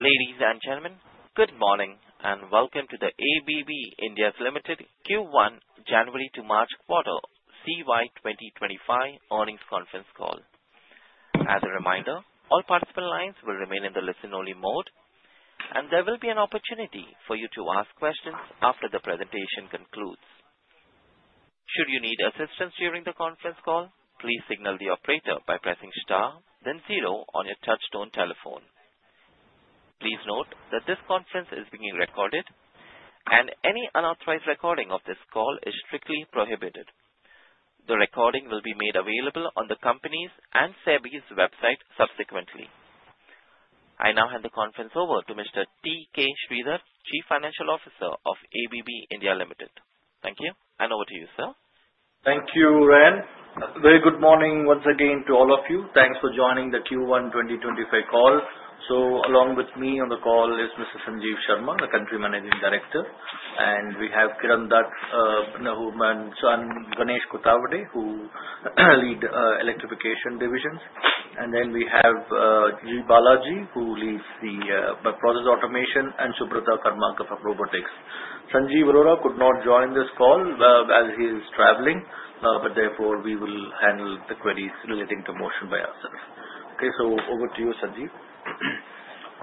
Ladies and gentlemen, good morning and welcome to the ABB India Limited Q1 January to March quarter CY 2025 earnings conference call. As a reminder, all participant lines will remain in the listen-only mode, and there will be an opportunity for you to ask questions after the presentation concludes. Should you need assistance during the conference call, please signal the operator by pressing star, then zero on your touchstone telephone. Please note that this conference is being recorded, and any unauthorized recording of this call is strictly prohibited. The recording will be made available on the company's and SEBI's website subsequently. I now hand the conference over to Mr. T. K. Sridhar, Chief Financial Officer of ABB India Limited. Thank you, and over to you, sir. Thank you, Ren. Very good morning once again to all of you. Thanks for joining the Q1 2025 call. Along with me on the call is Mr. Sanjeev Sharma, the Country Managing Director, and we have Kiran Dutt, Brenna Hogan, and Ganesh Kothawade, who lead electrification divisions. We have G. Balaji, who leads the process automation, and Subrata Karmakar of Robotics. Sanjeev could not join this call as he is traveling, but therefore we will handle the queries relating to motion by ourselves. Okay, over to you, Sanjeev.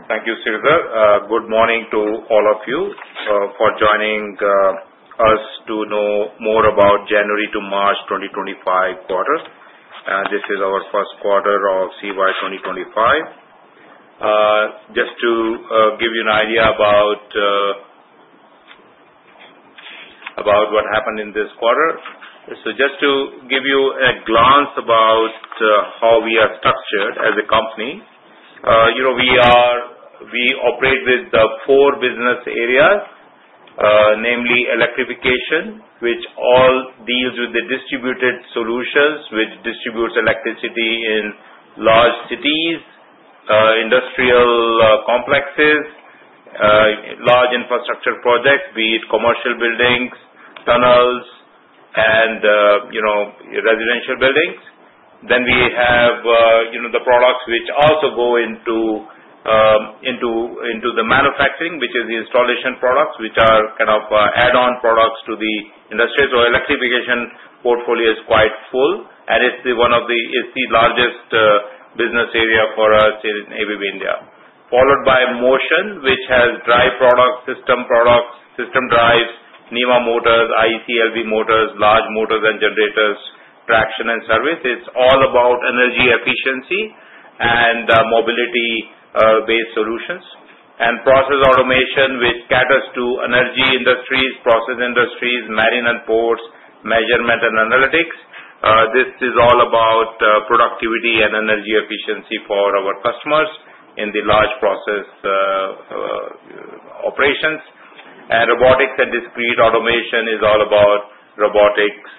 Thank you, Sridhar. Good morning to all of you for joining us to know more about January to March 2025 quarter. This is our first quarter of CY 2025. Just to give you an idea about what happened in this quarter, just to give you a glance about how we are structured as a company, we operate with the four business areas, namely electrification, which all deals with the distributed solutions which distribute electricity in large cities, industrial complexes, large infrastructure projects, be it commercial buildings, tunnels, and residential buildings. Then we have the products which also go into the manufacturing, which is the installation products, which are kind of add-on products to the industry. Electrification portfolio is quite full, and it is one of the largest business areas for us in ABB India, followed by motion, which has drive products, system products, system drives, NEMA motors, IECLV motors, large motors and generators, traction and service. It is all about energy efficiency and mobility-based solutions and process automation, which caters to energy industries, process industries, marine and ports, measurement and analytics. This is all about productivity and energy efficiency for our customers in the large process operations, and robotics and discrete automation is all about robotics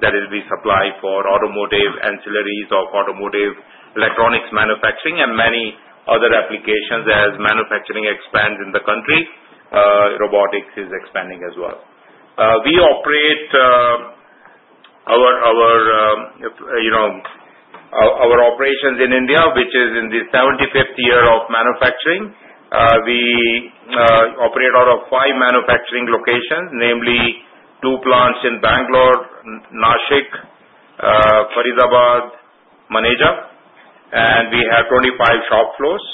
that will be supplied for automotive ancillaries of automotive electronics manufacturing and many other applications. As manufacturing expands in the country, robotics is expanding as well. We operate our operations in India, which is in the 75th year of manufacturing. We operate out of five manufacturing locations, namely two plants in Bangalore, Nashik, Faridabad, Maneja, and we have 25 shop floors,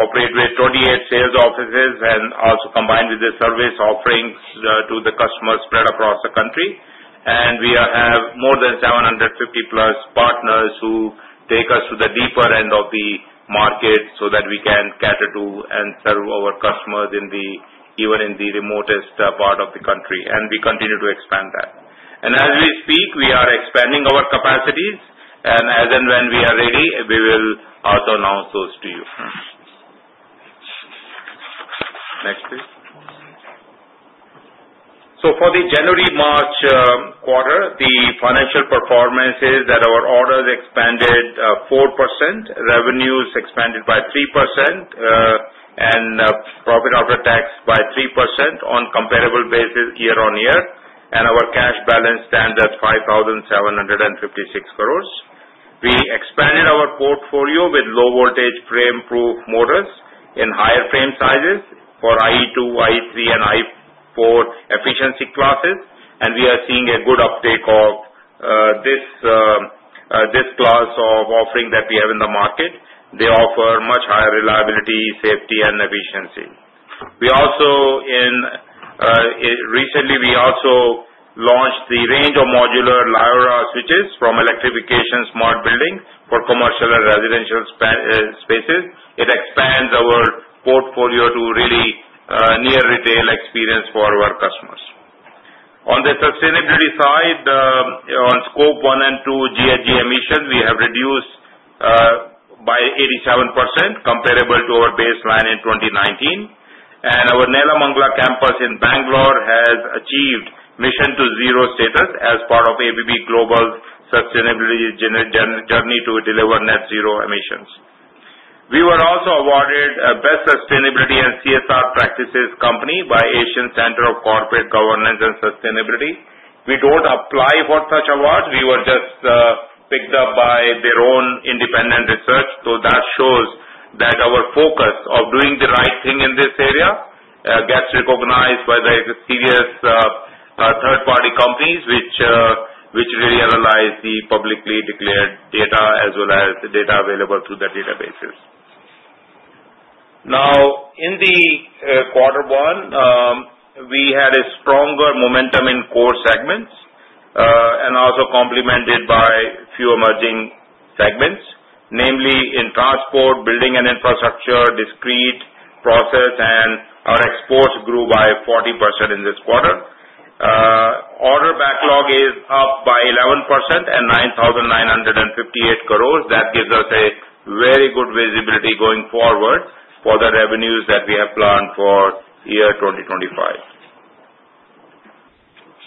operate with 28 sales offices, and also combined with the service offerings to the customers spread across the country. We have more than 750 plus partners who take us to the deeper end of the market so that we can cater to and serve our customers even in the remotest part of the country. We continue to expand that. As we speak, we are expanding our capacities, and as and when we are ready, we will also announce those to you. Next, please. For the January-March quarter, the financial performance is that our orders expanded 4%, revenues expanded by 3%, and profit after tax by 3% on a comparable basis year-on-year, and our cash balance stands at 5,756 crore. We expanded our portfolio with low-voltage frame-proof motors in higher frame sizes for IE2, IE3, and IE4 efficiency classes, and we are seeing a good uptake of this class of offering that we have in the market. They offer much higher reliability, safety, and efficiency. Recently, we also launched the range of modular LIORA switches from electrification smart buildings for commercial and residential spaces. It expands our portfolio to really near retail experience for our customers. On the sustainability side, on scope one and two, GHG emissions, we have reduced by 87%, comparable to our baseline in 2019. Our Nelamangala campus in Bangalore has achieved mission to zero status as part of ABB Global's sustainability journey to deliver net zero emissions. We were also awarded Best Sustainability and CSR Practices Company by the Asian Center of Corporate Governance and Sustainability. We don't apply for such awards. We were just picked up by their own independent research. That shows that our focus of doing the right thing in this area gets recognized by the serious third-party companies which really analyze the publicly declared data as well as data available through the databases. Now, in quarter one, we had a stronger momentum in core segments and also complemented by a few emerging segments, namely in transport, building and infrastructure, discrete process, and our exports grew by 40% in this quarter. Order backlog is up by 11% and 9,958 crore. That gives us a very good visibility going forward for the revenues that we have planned for year 2025.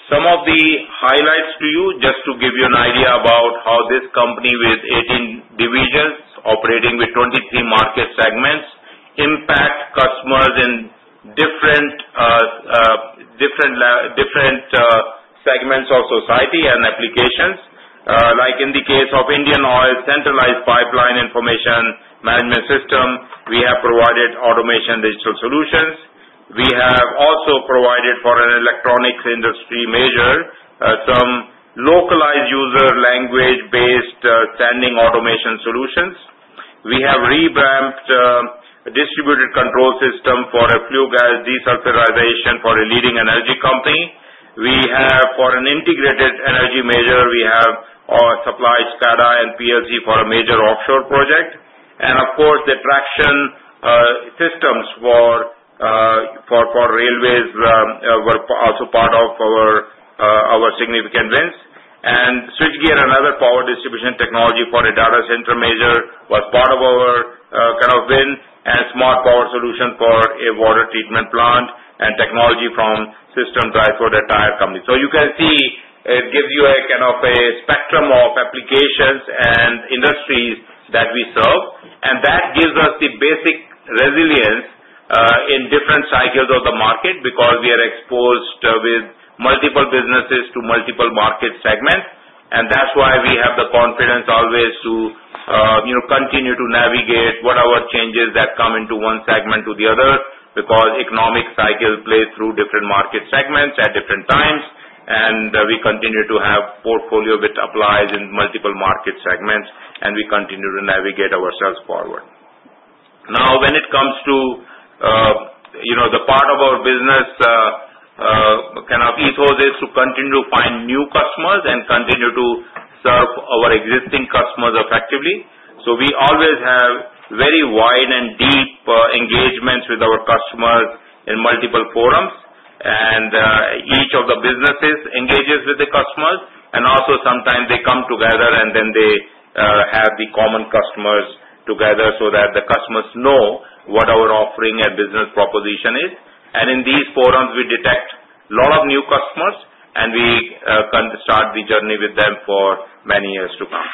Some of the highlights to you, just to give you an idea about how this company with 18 divisions operating with 23 market segments impacts customers in different segments of society and applications. Like in the case of Indian Oil Centralized Pipeline Information Management System, we have provided automation digital solutions. We have also provided for an electronics industry major some localized user language-based standing automation solutions. We have revamped a distributed control system for a fuel gas desulfurization for a leading energy company. For an integrated energy major, we have supplied SCADA and PLC for a major offshore project. The traction systems for railways were also part of our significant wins. Switchgear, another power distribution technology for a data center major, was part of our kind of win and smart power solution for a water treatment plant and technology from System Drive for the entire company. You can see it gives you a kind of a spectrum of applications and industries that we serve. That gives us the basic resilience in different cycles of the market because we are exposed with multiple businesses to multiple market segments. That is why we have the confidence always to continue to navigate whatever changes that come into one segment to the other because economic cycles play through different market segments at different times. We continue to have a portfolio which applies in multiple market segments, and we continue to navigate ourselves forward. Now, when it comes to the part of our business, kind of ethos is to continue to find new customers and continue to serve our existing customers effectively. We always have very wide and deep engagements with our customers in multiple forums. Each of the businesses engages with the customers. Also, sometimes they come together, and then they have the common customers together so that the customers know what our offering and business proposition is. In these forums, we detect a lot of new customers, and we can start the journey with them for many years to come.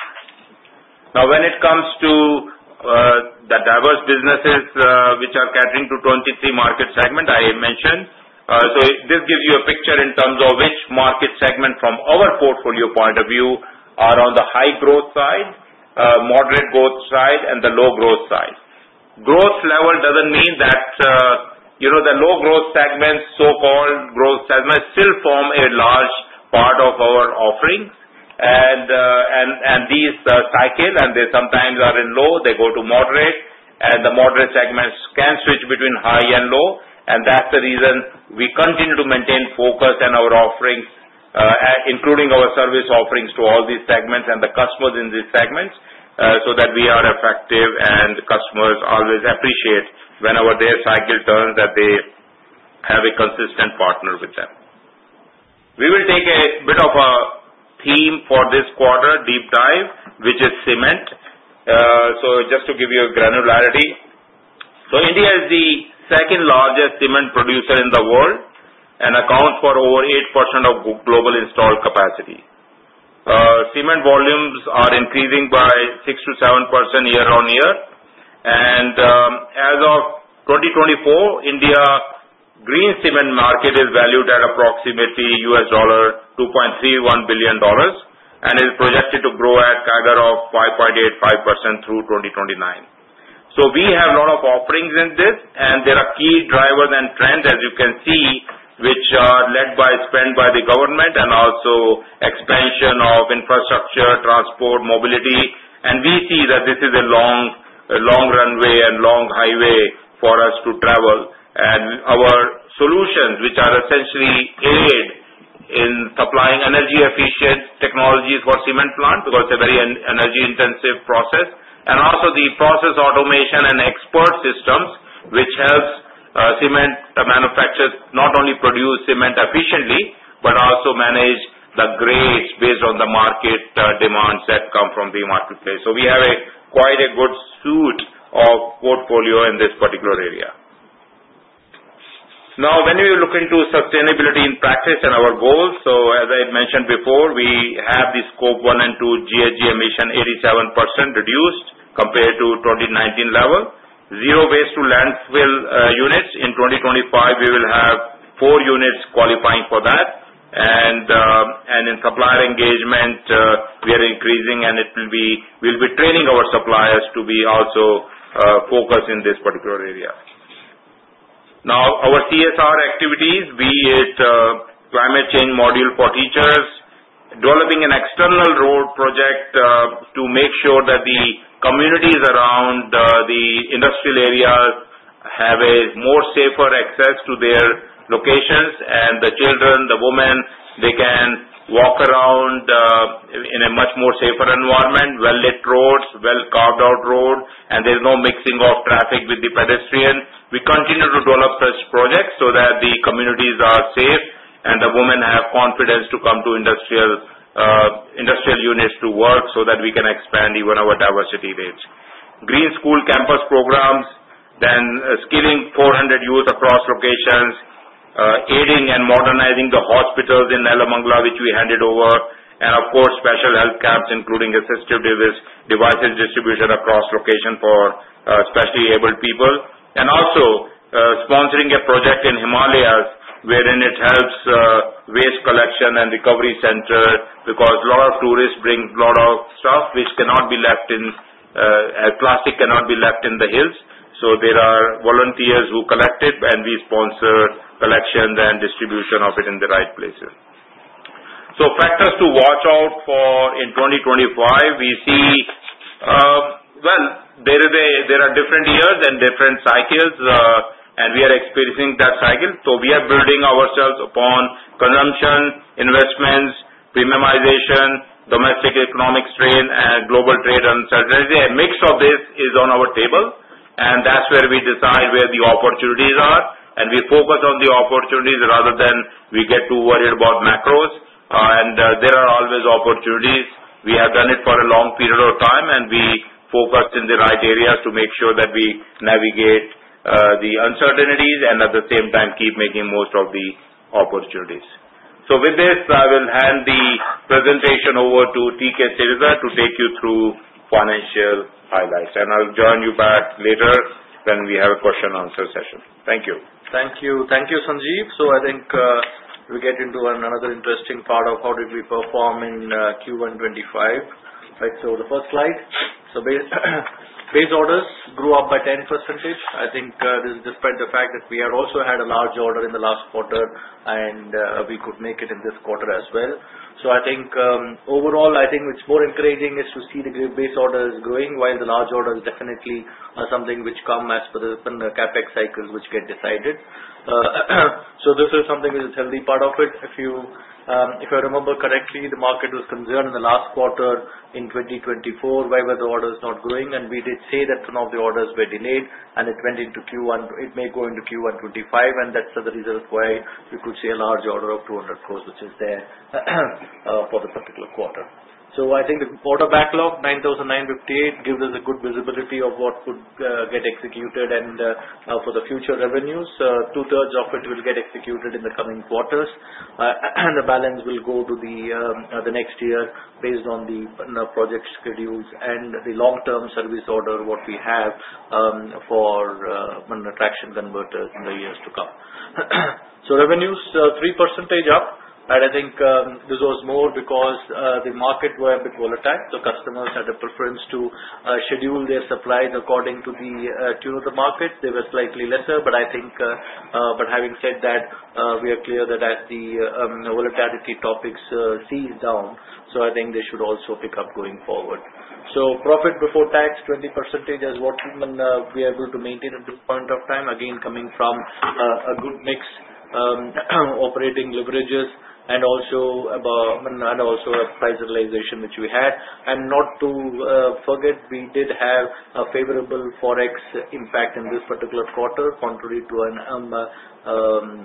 Now, when it comes to the diverse businesses which are catering to 23 market segments I mentioned, this gives you a picture in terms of which market segments from our portfolio point of view are on the high growth side, moderate growth side, and the low growth side. Growth level does not mean that the low growth segments, so-called growth segments, still form a large part of our offerings. These cycles, and they sometimes are in low. They go to moderate. The moderate segments can switch between high and low. That is the reason we continue to maintain focus and our offerings, including our service offerings to all these segments and the customers in these segments, so that we are effective and customers always appreciate whenever their cycle turns that they have a consistent partner with them. We will take a bit of a theme for this quarter deep dive, which is cement. Just to give you a granularity, India is the second largest cement producer in the world and accounts for over 8% of global installed capacity. Cement volumes are increasing by 6%-7% year-on-year. As of 2024, India's green cement market is valued at approximately $2.31 billion and is projected to grow at a CAGR of 5.85% through 2029. We have a lot of offerings in this, and there are key drivers and trends, as you can see, which are led by spend by the government and also expansion of infrastructure, transport, mobility. We see that this is a long runway and long highway for us to travel. Our solutions, which essentially aid in supplying energy-efficient technologies for cement plants because it is a very energy-intensive process, and also the process automation and export systems, help cement manufacturers not only produce cement efficiently but also manage the grades based on the market demands that come from the marketplace. We have quite a good suite of portfolio in this particular area. Now, when we look into sustainability in practice and our goals, as I mentioned before, we have the scope one and two, GHG emission 87% reduced compared to 2019 level. Zero waste to landfill units. In 2025, we will have four units qualifying for that. In supplier engagement, we are increasing, and we'll be training our suppliers to be also focused in this particular area. Now, our CSR activities, be it climate change module for teachers, developing an external road project to make sure that the communities around the industrial areas have a more safer access to their locations, and the children, the women, they can walk around in a much more safer environment, well-lit roads, well-carved out road, and there's no mixing of traffic with the pedestrian. We continue to develop such projects so that the communities are safe and the women have confidence to come to industrial units to work so that we can expand even our diversity range. Green school campus programs, then skilling 400 youth across locations, aiding and modernizing the hospitals in Nelamangala, which we handed over, and of course, special health camps, including assistive devices distribution across locations for especially abled people. Also sponsoring a project in the Himalayas wherein it helps waste collection and recovery center because a lot of tourists bring a lot of stuff, which cannot be left in plastic, cannot be left in the hills. There are volunteers who collect it, and we sponsor collection and distribution of it in the right places. Factors to watch out for in 2025, we see, there are different years and different cycles, and we are experiencing that cycle. We are building ourselves upon consumption, investments, premiumization, domestic economic strain, and global trade uncertainty. A mix of this is on our table, and that is where we decide where the opportunities are. We focus on the opportunities rather than we get too worried about macros. There are always opportunities. We have done it for a long period of time, and we focus in the right areas to make sure that we navigate the uncertainties and at the same time keep making most of the opportunities. With this, I will hand the presentation over to T. K. Sridhar to take you through financial highlights. I will join you back later when we have a question-and-answer session. Thank you. Thank you. Thank you, Sanjeev. I think we get into another interesting part of how did we perform in Q1 2025. Right, the first slide. Base orders grew up by 10%. I think this is despite the fact that we also had a large order in the last quarter, and we could make it in this quarter as well. I think overall, what is more encouraging is to see the base orders growing while the large orders definitely are something which come as per the CapEx cycles which get decided. This is something which is a healthy part of it. If I remember correctly, the market was concerned in the last quarter in 2024 why were the orders not growing. We did say that some of the orders were delayed, and it went into Q1. It may go into Q1 2025, and that's the result why we could see a large order of 200 crores which is there for the particular quarter. I think the order backlog, 9,958, gives us a good visibility of what could get executed and for the future revenues. Two-thirds of it will get executed in the coming quarters. The balance will go to the next year based on the project schedules and the long-term service order what we have for traction converters in the years to come. Revenues, 3% up, but I think this was more because the market was a bit volatile. The customers had a preference to schedule their supplies according to the tune of the market. They were slightly lesser, but I think having said that, we are clear that as the volatility topics sees down, I think they should also pick up going forward. Profit before tax, 20% is what we are able to maintain at this point of time. Again, coming from a good mix of operating leverages and also a price realization which we had. Not to forget, we did have a favorable Forex impact in this particular quarter, contrary to an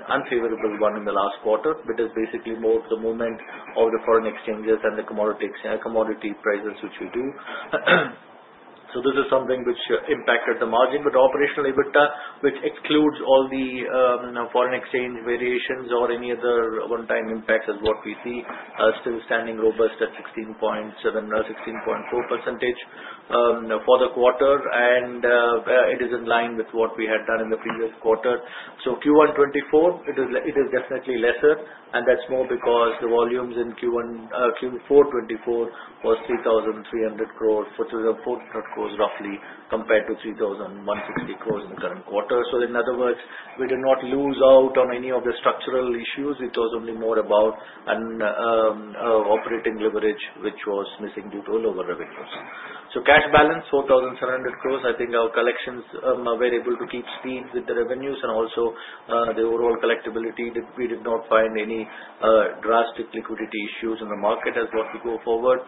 unfavorable one in the last quarter, but it is basically more of the movement of the foreign exchanges and the commodity prices which we do. This is something which impacted the margin, but operationally, which excludes all the foreign exchange variations or any other one-time impacts, is what we see still standing robust at 16.7%-16.4% for the quarter. It is in line with what we had done in the previous quarter. Q1 2024, it is definitely lesser, and that's more because the volumes in Q4 2024 were 3,300 crores, which is 400 crores roughly compared to 3,160 crores in the current quarter. In other words, we did not lose out on any of the structural issues. It was only more about operating leverage, which was missing due to all of our revenues. Cash balance, 4,700 crores. I think our collections were able to keep speed with the revenues and also the overall collectibility. We did not find any drastic liquidity issues in the market as what to go forward.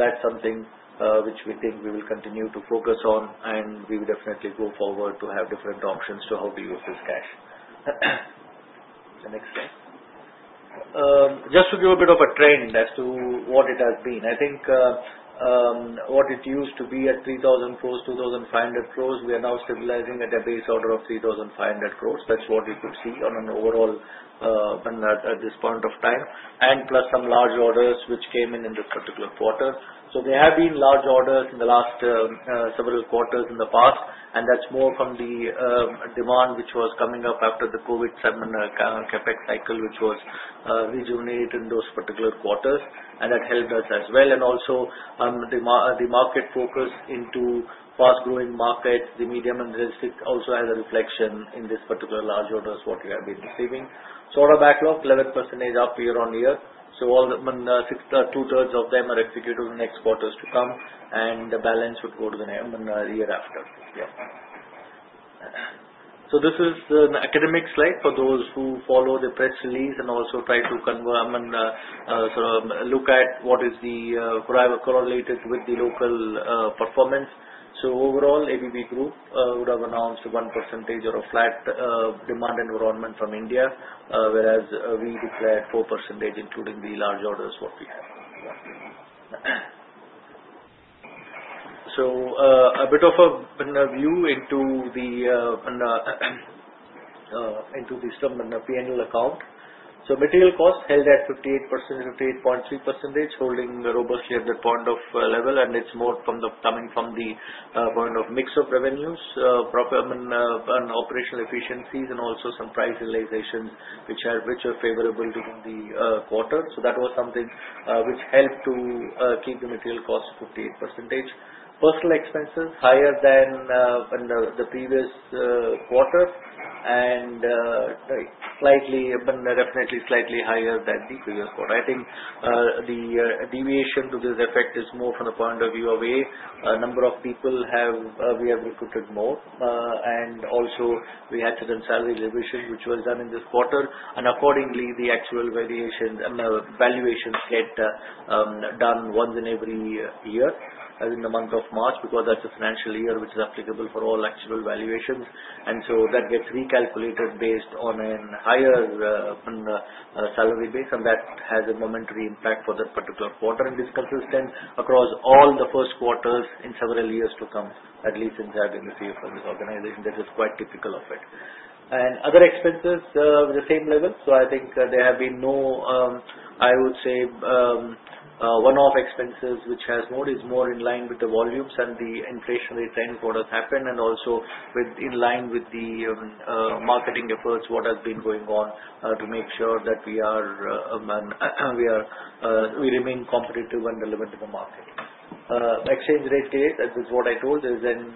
That is something which we think we will continue to focus on, and we will definitely go forward to have different options to how to use this cash. Next slide. Just to give a bit of a trend as to what it has been, I think what it used to be at 3,000 crore, 2,500 crore, we are now stabilizing at a base order of 3,500 crore. That is what we could see on an overall at this point of time, plus some large orders which came in in this particular quarter. There have been large orders in the last several quarters in the past, and that is more from the demand which was coming up after the COVID-19 CapEx cycle, which was rejuvenated in those particular quarters. That helped us as well. Also, the market focus into fast-growing markets, the medium and the realistic also has a reflection in this particular large orders what we have been receiving. Order backlog, 11% up year-on-year. Two-thirds of them are executed in the next quarters to come, and the balance would go to the year after. Yeah. This is an academic slide for those who follow the press release and also try to sort of look at what is correlated with the local performance. Overall, ABB Group would have announced 1% or a flat demand environment from India, whereas we declared 4%, including the large orders what we had. A bit of a view into the P&L account. Material cost held at 58.3%, holding robustly at the point of level, and it's more coming from the point of mix of revenues, operational efficiencies, and also some price realizations which are favorable during the quarter. That was something which helped to keep the material cost 58%. Personal expenses higher than the previous quarter and definitely slightly higher than the previous quarter. I think the deviation to this effect is more from the point of view of a number of people we have recruited more. Also, we had certain salary revision which was done in this quarter. Accordingly, the actual valuations get done once in every year as in the month of March because that is a financial year which is applicable for all actual valuations. That gets recalculated based on a higher salary base, and that has a momentary impact for that particular quarter. It is consistent across all the first quarters in several years to come, at least in the agency for this organization. That is quite typical of it. Other expenses with the same level. I think there have been no, I would say, one-off expenses which is more in line with the volumes and the inflationary trend that has happened and also in line with the marketing efforts that have been going on to make sure that we remain competitive and relevant in the market. Exchange rate gain, that is what I told, is in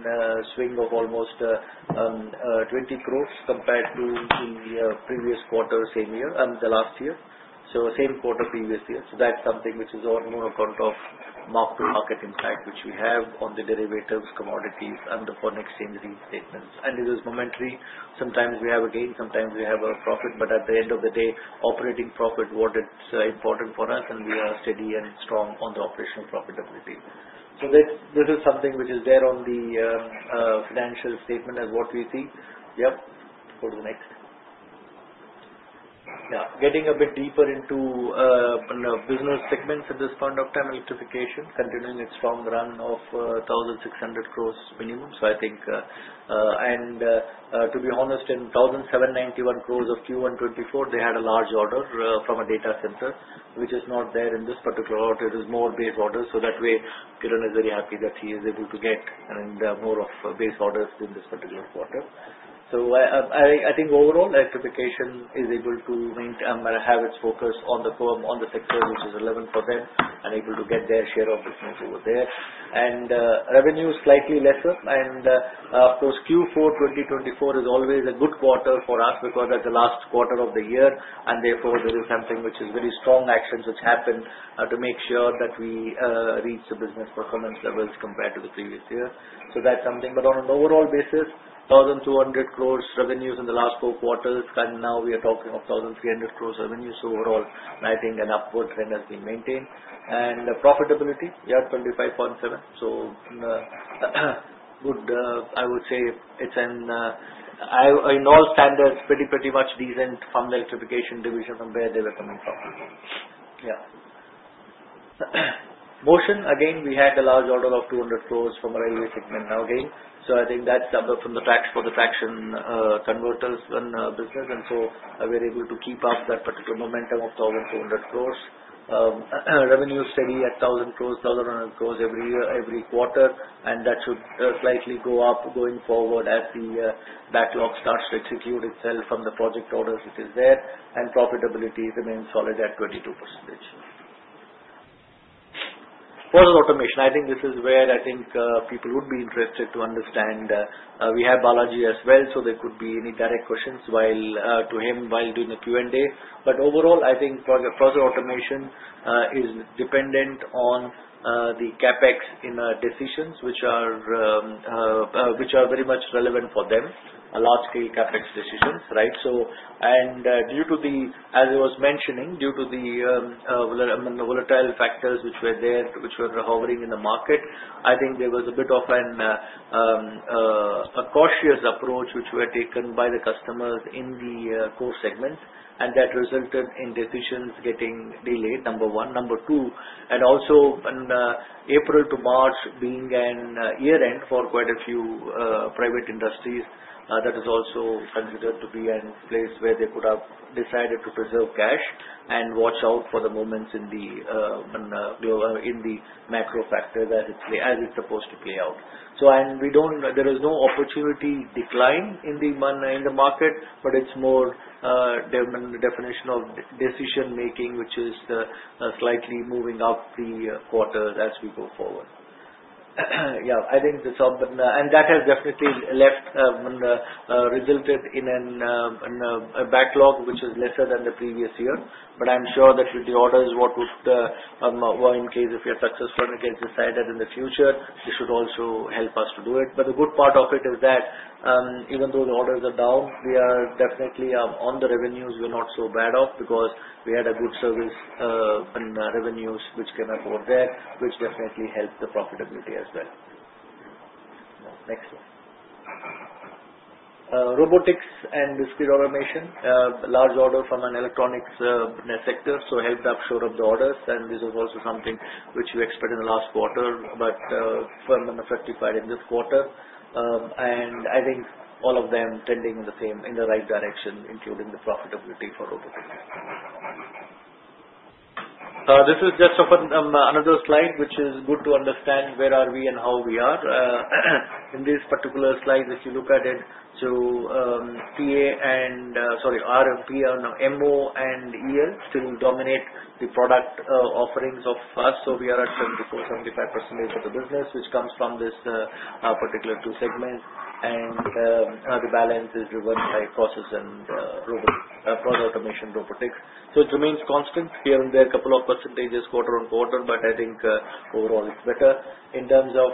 swing of almost 20 crore compared to the previous quarter, same year, the last year. Same quarter, previous year. That is something which is more on account of mark-to-market impact which we have on the derivatives, commodities, and the foreign exchange reinstatements. It is momentary. Sometimes we have a gain, sometimes we have a profit, but at the end of the day, operating profit is what is important for us, and we are steady and strong on the operational profitability. This is something which is there on the financial statement as what we see. Yep. Go to the next. Yeah. Getting a bit deeper into business segments at this point of time, electrification, continuing its strong run of 1,600 crore minimum. I think, and to be honest, in 1,791 crore of Q1 2024, they had a large order from a data center, which is not there in this particular order. It is more base order. That way, Kiran is very happy that he is able to get more of base orders in this particular quarter. I think overall, electrification is able to have its focus on the sector which is relevant for them and able to get their share of business over there. Revenue is slightly lesser. Of course, Q4 2024 is always a good quarter for us because that's the last quarter of the year. Therefore, there is something which is very strong actions which happen to make sure that we reach the business performance levels compared to the previous year. That's something. On an overall basis, 1,200 crore revenues in the last four quarters. Now we are talking of 1,300 crore revenues overall. I think an upward trend has been maintained. Profitability, yeah, 25.7%. Good, I would say. It's in all standards, pretty much decent from the electrification division from where they were coming from. Motion, again, we had a large order of 200 crore from a railway segment now again. I think that's from the traction converters business. We are able to keep up that particular momentum of 1,200 crore. Revenue is steady at 1,000 crore, 1,100 crore every quarter. That should slightly go up going forward as the backlog starts to execute itself from the project orders which is there. Profitability remains solid at 22%. Process automation. I think this is where I think people would be interested to understand. We have Balaji as well, so there could be any direct questions to him while doing a Q&A. Overall, I think process automation is dependent on the CapEx in decisions which are very much relevant for them, large-scale CapEx decisions, right? As I was mentioning, due to the volatile factors which were there which were hovering in the market, I think there was a bit of a cautious approach which were taken by the customers in the core segments. That resulted in decisions getting delayed, number one. Number two, and also April to March being a year-end for quite a few private industries, that is also considered to be a place where they could have decided to preserve cash and watch out for the moments in the macro factor as it's supposed to play out. There is no opportunity decline in the market, but it's more definition of decision-making which is slightly moving up the quarter as we go forward. Yeah. I think the sum and that has definitely resulted in a backlog which is lesser than the previous year. I'm sure that the orders what would in case if we are successful in the case decided in the future, this should also help us to do it. The good part of it is that even though the orders are down, we are definitely on the revenues, we're not so bad off because we had a good service revenues which came up over there, which definitely helped the profitability as well. Next slide. Robotics and discrete automation, large order from an electronics sector, so helped upshore of the orders. This was also something which we expected in the last quarter, but firm and effectified in this quarter. I think all of them tending in the right direction, including the profitability for robotics. This is just another slide which is good to understand where are we and how we are. In this particular slide, if you look at it, so TA and sorry, RMP and MO and EL still dominate the product offerings of us. We are at 74%-75% of the business, which comes from these two segments. The balance is driven by process and robotic process automation, robotics. It remains constant here and there, a couple of percentages quarter on quarter, but I think overall it's better. In terms of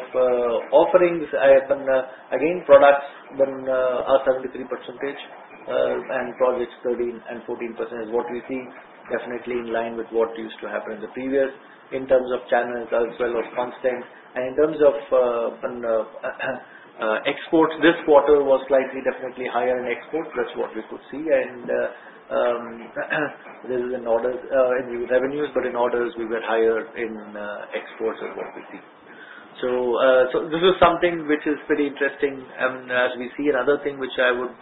offerings, again, products are 73% and projects 13%-14% is what we see, definitely in line with what used to happen in the previous. In terms of channels as well, it's constant. In terms of exports, this quarter was slightly definitely higher in exports. That's what we could see. This is in revenues, but in orders, we were higher in exports is what we see. This is something which is pretty interesting. As we see, another thing which I would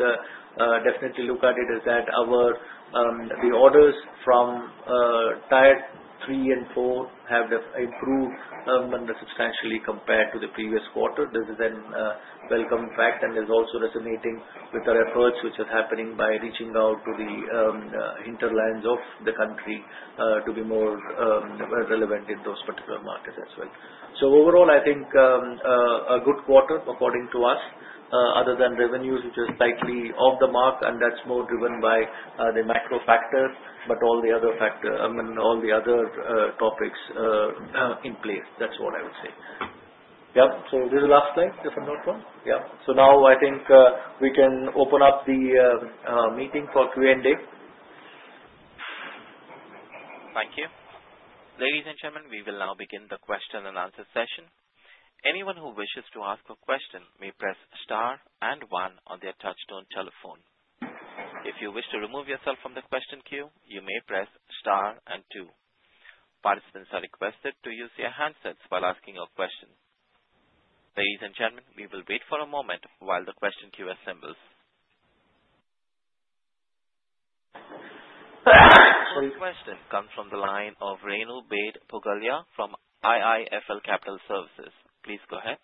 definitely look at is that the orders from tier three and four have improved substantially compared to the previous quarter. This is a welcome fact, and it is also resonating with the efforts which are happening by reaching out to the hinterlands of the country to be more relevant in those particular markets as well. Overall, I think a good quarter according to us, other than revenues, which are slightly off the mark, and that is more driven by the macro factors, but all the other factors and all the other topics in place. That is what I would say. Yeah. This is the last slide, if I am not wrong. Yeah. I think we can open up the meeting for Q&A. Thank you. Ladies and gentlemen, we will now begin the question and answer session. Anyone who wishes to ask a question may press star and one on their touchstone telephone. If you wish to remove yourself from the question queue, you may press star and two. Participants are requested to use their handsets while asking a question. Ladies and gentlemen, we will wait for a moment while the question queue assembles. The question comes from the line of Renu Baid Pugalia from IIFL Capital Services. Please go ahead.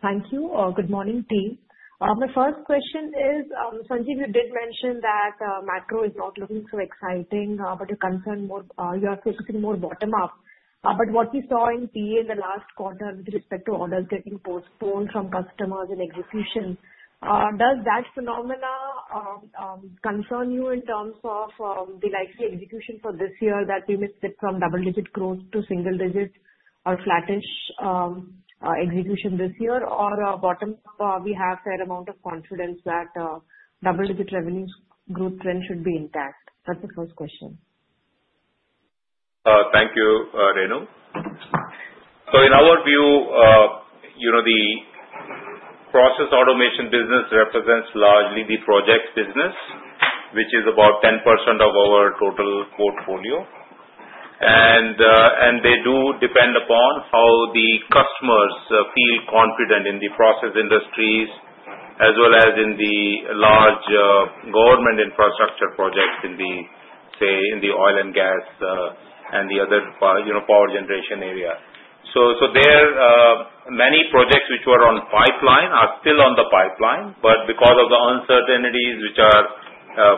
Thank you. Good morning, team. My first question is, Sanjeev, you did mention that macro is not looking so exciting, but you're concerned more you're focusing more bottom-up. What we saw in PA in the last quarter with respect to orders getting postponed from customers and execution, does that phenomena concern you in terms of the likely execution for this year that we may flip from double-digit growth to single-digit or flattish execution this year? Or bottom-up, we have a fair amount of confidence that double-digit revenues growth trend should be intact. That's the first question. Thank you, Renu. In our view, the process automation business represents largely the projects business, which is about 10% of our total portfolio. They do depend upon how the customers feel confident in the process industries as well as in the large government infrastructure projects in the, say, in the oil and gas and the other power generation area. There are many projects which were on pipeline, are still on the pipeline, but because of the uncertainties which are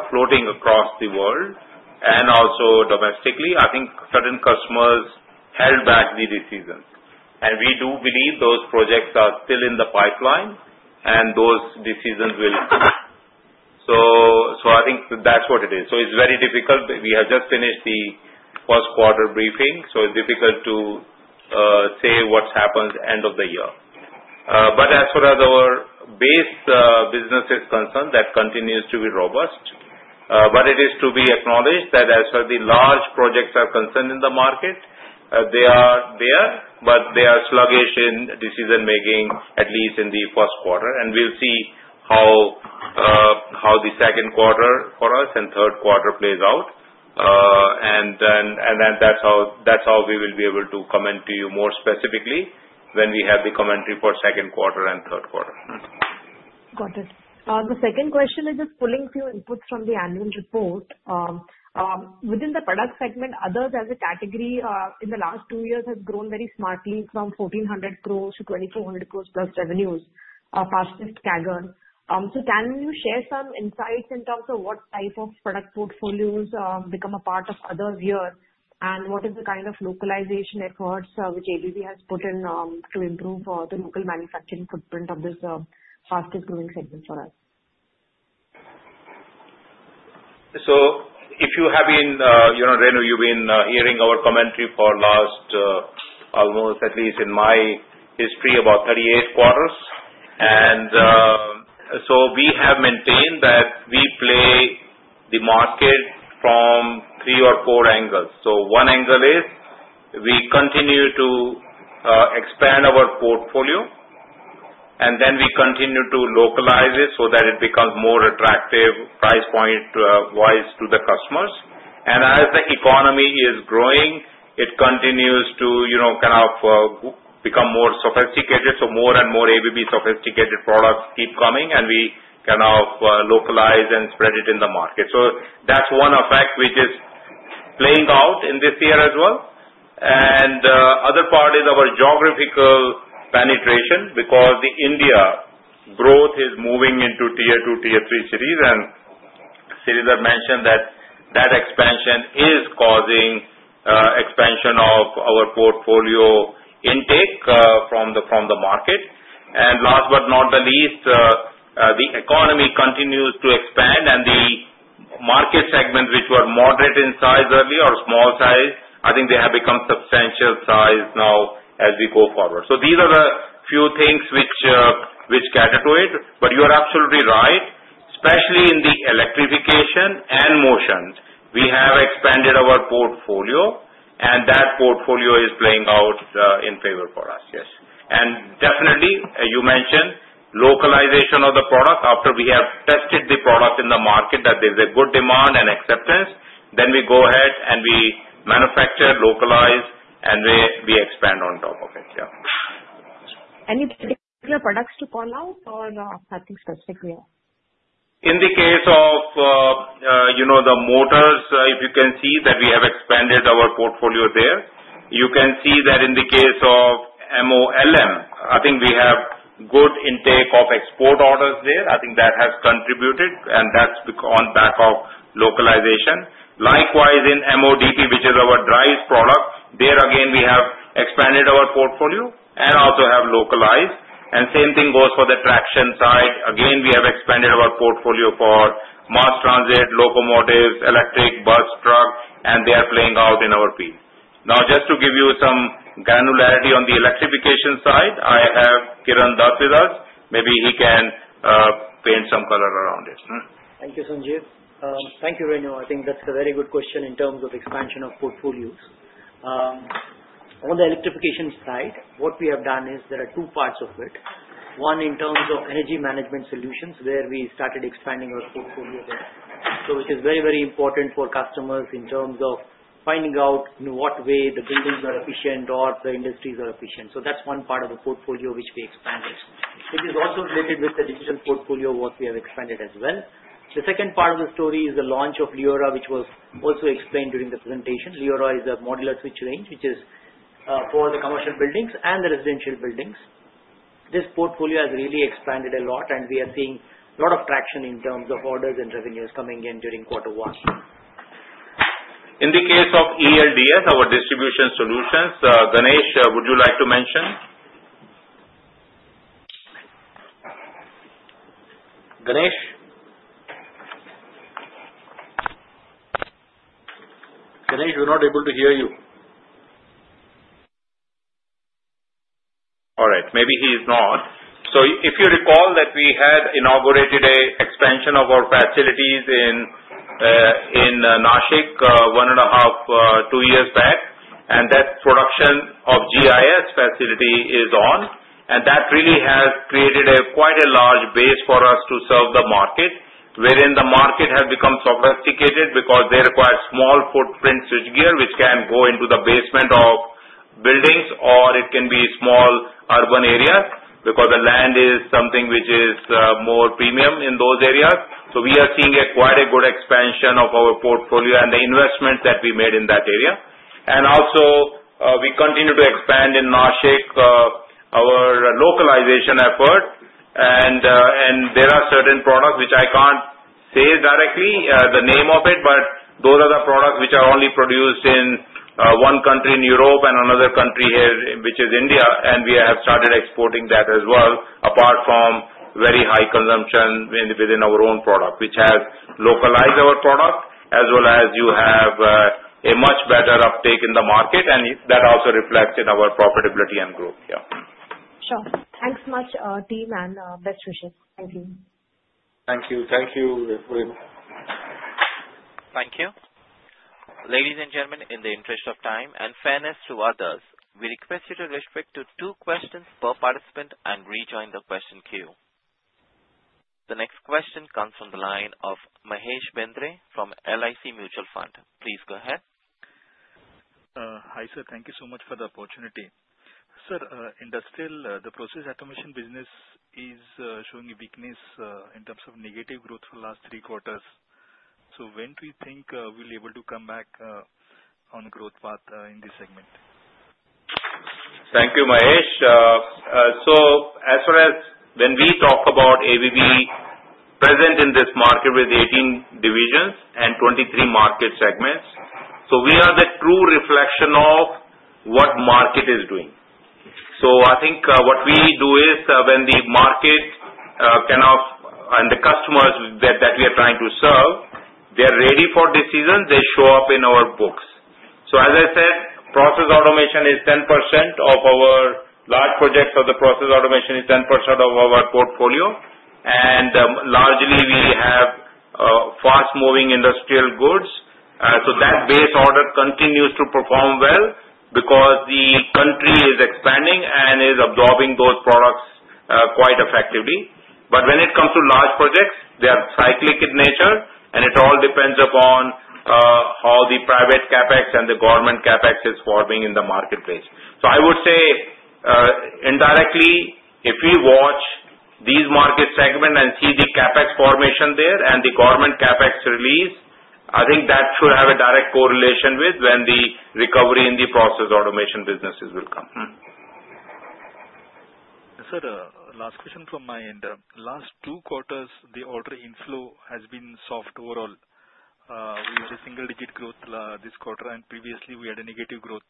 floating across the world and also domestically, I think certain customers held back the decisions. We do believe those projects are still in the pipeline, and those decisions will come. I think that's what it is. It's very difficult. We have just finished the first quarter briefing, so it's difficult to say what happens end of the year. As far as our base business is concerned, that continues to be robust. It is to be acknowledged that as far as the large projects are concerned in the market, they are there, but they are sluggish in decision-making, at least in the first quarter. We will see how the second quarter for us and third quarter plays out. That is how we will be able to comment to you more specifically when we have the commentary for second quarter and third quarter. Got it. The second question is just pulling a few inputs from the annual report. Within the product segment, others as a category in the last two years have grown very smartly from 1,400 crore to 2,400 crore+ revenues, fastest CAGR. Can you share some insights in terms of what type of product portfolios become a part of others here, and what is the kind of localization efforts which ABB has put in to improve the local manufacturing footprint of this fastest-growing segment for us? If you have been Renu, you've been hearing our commentary for at least, in my history, about 38 quarters. We have maintained that we play the market from three or four angles. One angle is we continue to expand our portfolio, and then we continue to localize it so that it becomes more attractive price point-wise to the customers. As the economy is growing, it continues to kind of become more sophisticated. More and more ABB sophisticated products keep coming, and we kind of localize and spread it in the market. That's one effect which is playing out in this year as well. The other part is our geographical penetration because the India growth is moving into tier two, tier three cities. Sridhar mentioned that expansion is causing expansion of our portfolio intake from the market. Last but not the least, the economy continues to expand, and the market segments which were moderate in size earlier or small size, I think they have become substantial size now as we go forward. These are the few things which cater to it. You are absolutely right, especially in the electrification and motion. We have expanded our portfolio, and that portfolio is playing out in favor for us, yes. Definitely, you mentioned localization of the product. After we have tested the product in the market, that there's a good demand and acceptance, then we go ahead and we manufacture, localize, and we expand on top of it, yeah. Any particular products to call out or something specific here? In the case of the motors, if you can see that we have expanded our portfolio there, you can see that in the case of MOLM, I think we have good intake of export orders there. I think that has contributed, and that's on back of localization. Likewise, in MODP, which is our drives product, there again, we have expanded our portfolio and also have localized. Same thing goes for the traction side. Again, we have expanded our portfolio for mass transit, locomotives, electric bus, truck, and they are playing out in our piece. Now, just to give you some granularity on the electrification side, I have Kiran Dutt with us. Maybe he can paint some color around it. Thank you, Sanjeev. Thank you, Renu. I think that's a very good question in terms of expansion of portfolios. On the electrification side, what we have done is there are two parts of it. One in terms of energy management solutions where we started expanding our portfolio there, which is very, very important for customers in terms of finding out in what way the buildings are efficient or the industries are efficient. That's one part of the portfolio which we expanded. It is also related with the digital portfolio what we have expanded as well. The second part of the story is the launch of LIORA, which was also explained during the presentation. LIORA is a modular switch range which is for the commercial buildings and the residential buildings. This portfolio has really expanded a lot, and we are seeing a lot of traction in terms of orders and revenues coming in during quarter one. In the case of ELDS, our distribution solutions, Ganesh, would you like to mention? Ganesh? Ganesh, we're not able to hear you. All right. Maybe he's not. If you recall that we had inaugurated an expansion of our facilities in Nashik one and a half, two years back, and that production of GIS facility is on. That really has created quite a large base for us to serve the market, wherein the market has become sophisticated because they require small footprint switchgear which can go into the basement of buildings, or it can be small urban areas because the land is something which is more premium in those areas. We are seeing quite a good expansion of our portfolio and the investment that we made in that area. We continue to expand in Nashik our localization effort. There are certain products which I cannot say directly the name of, but those are the products which are only produced in one country in Europe and another country here, which is India. We have started exporting that as well, apart from very high consumption within our own product, which has localized our product, as well as you have a much better uptake in the market. That also reflects in our profitability and growth, yeah. Sure. Thanks much, team, and best wishes. Thank you. Thank you. Thank you very much. Thank you. Ladies and gentlemen, in the interest of time and fairness to others, we request you to respect two questions per participant and rejoin the question queue. The next question comes from the line of Mahesh Bendre from LIC Mutual Fund. Please go ahead. Hi sir, thank you so much for the opportunity. Sir, the process automation business is showing a weakness in terms of negative growth for the last three quarters. When do you think we'll be able to come back on the growth path in this segment? Thank you, Mahesh. As far as when we talk about ABB present in this market with 18 divisions and 23 market segments, we are the true reflection of what the market is doing. I think what we do is when the market kind of and the customers that we are trying to serve, they're ready for decisions. They show up in our books. As I said, process automation is 10% of our large projects, process automation is 10% of our portfolio. Largely, we have fast-moving industrial goods. That base order continues to perform well because the country is expanding and is absorbing those products quite effectively. When it comes to large projects, they are cyclic in nature, and it all depends upon how the private CapEx and the government CapEx is forming in the marketplace. I would say indirectly, if we watch these market segments and see the CapEx formation there and the government CapEx release, I think that should have a direct correlation with when the recovery in the process automation businesses will come. Sir, last question from my end. Last two quarters, the order inflow has been soft overall. We had a single-digit growth this quarter, and previously, we had a negative growth.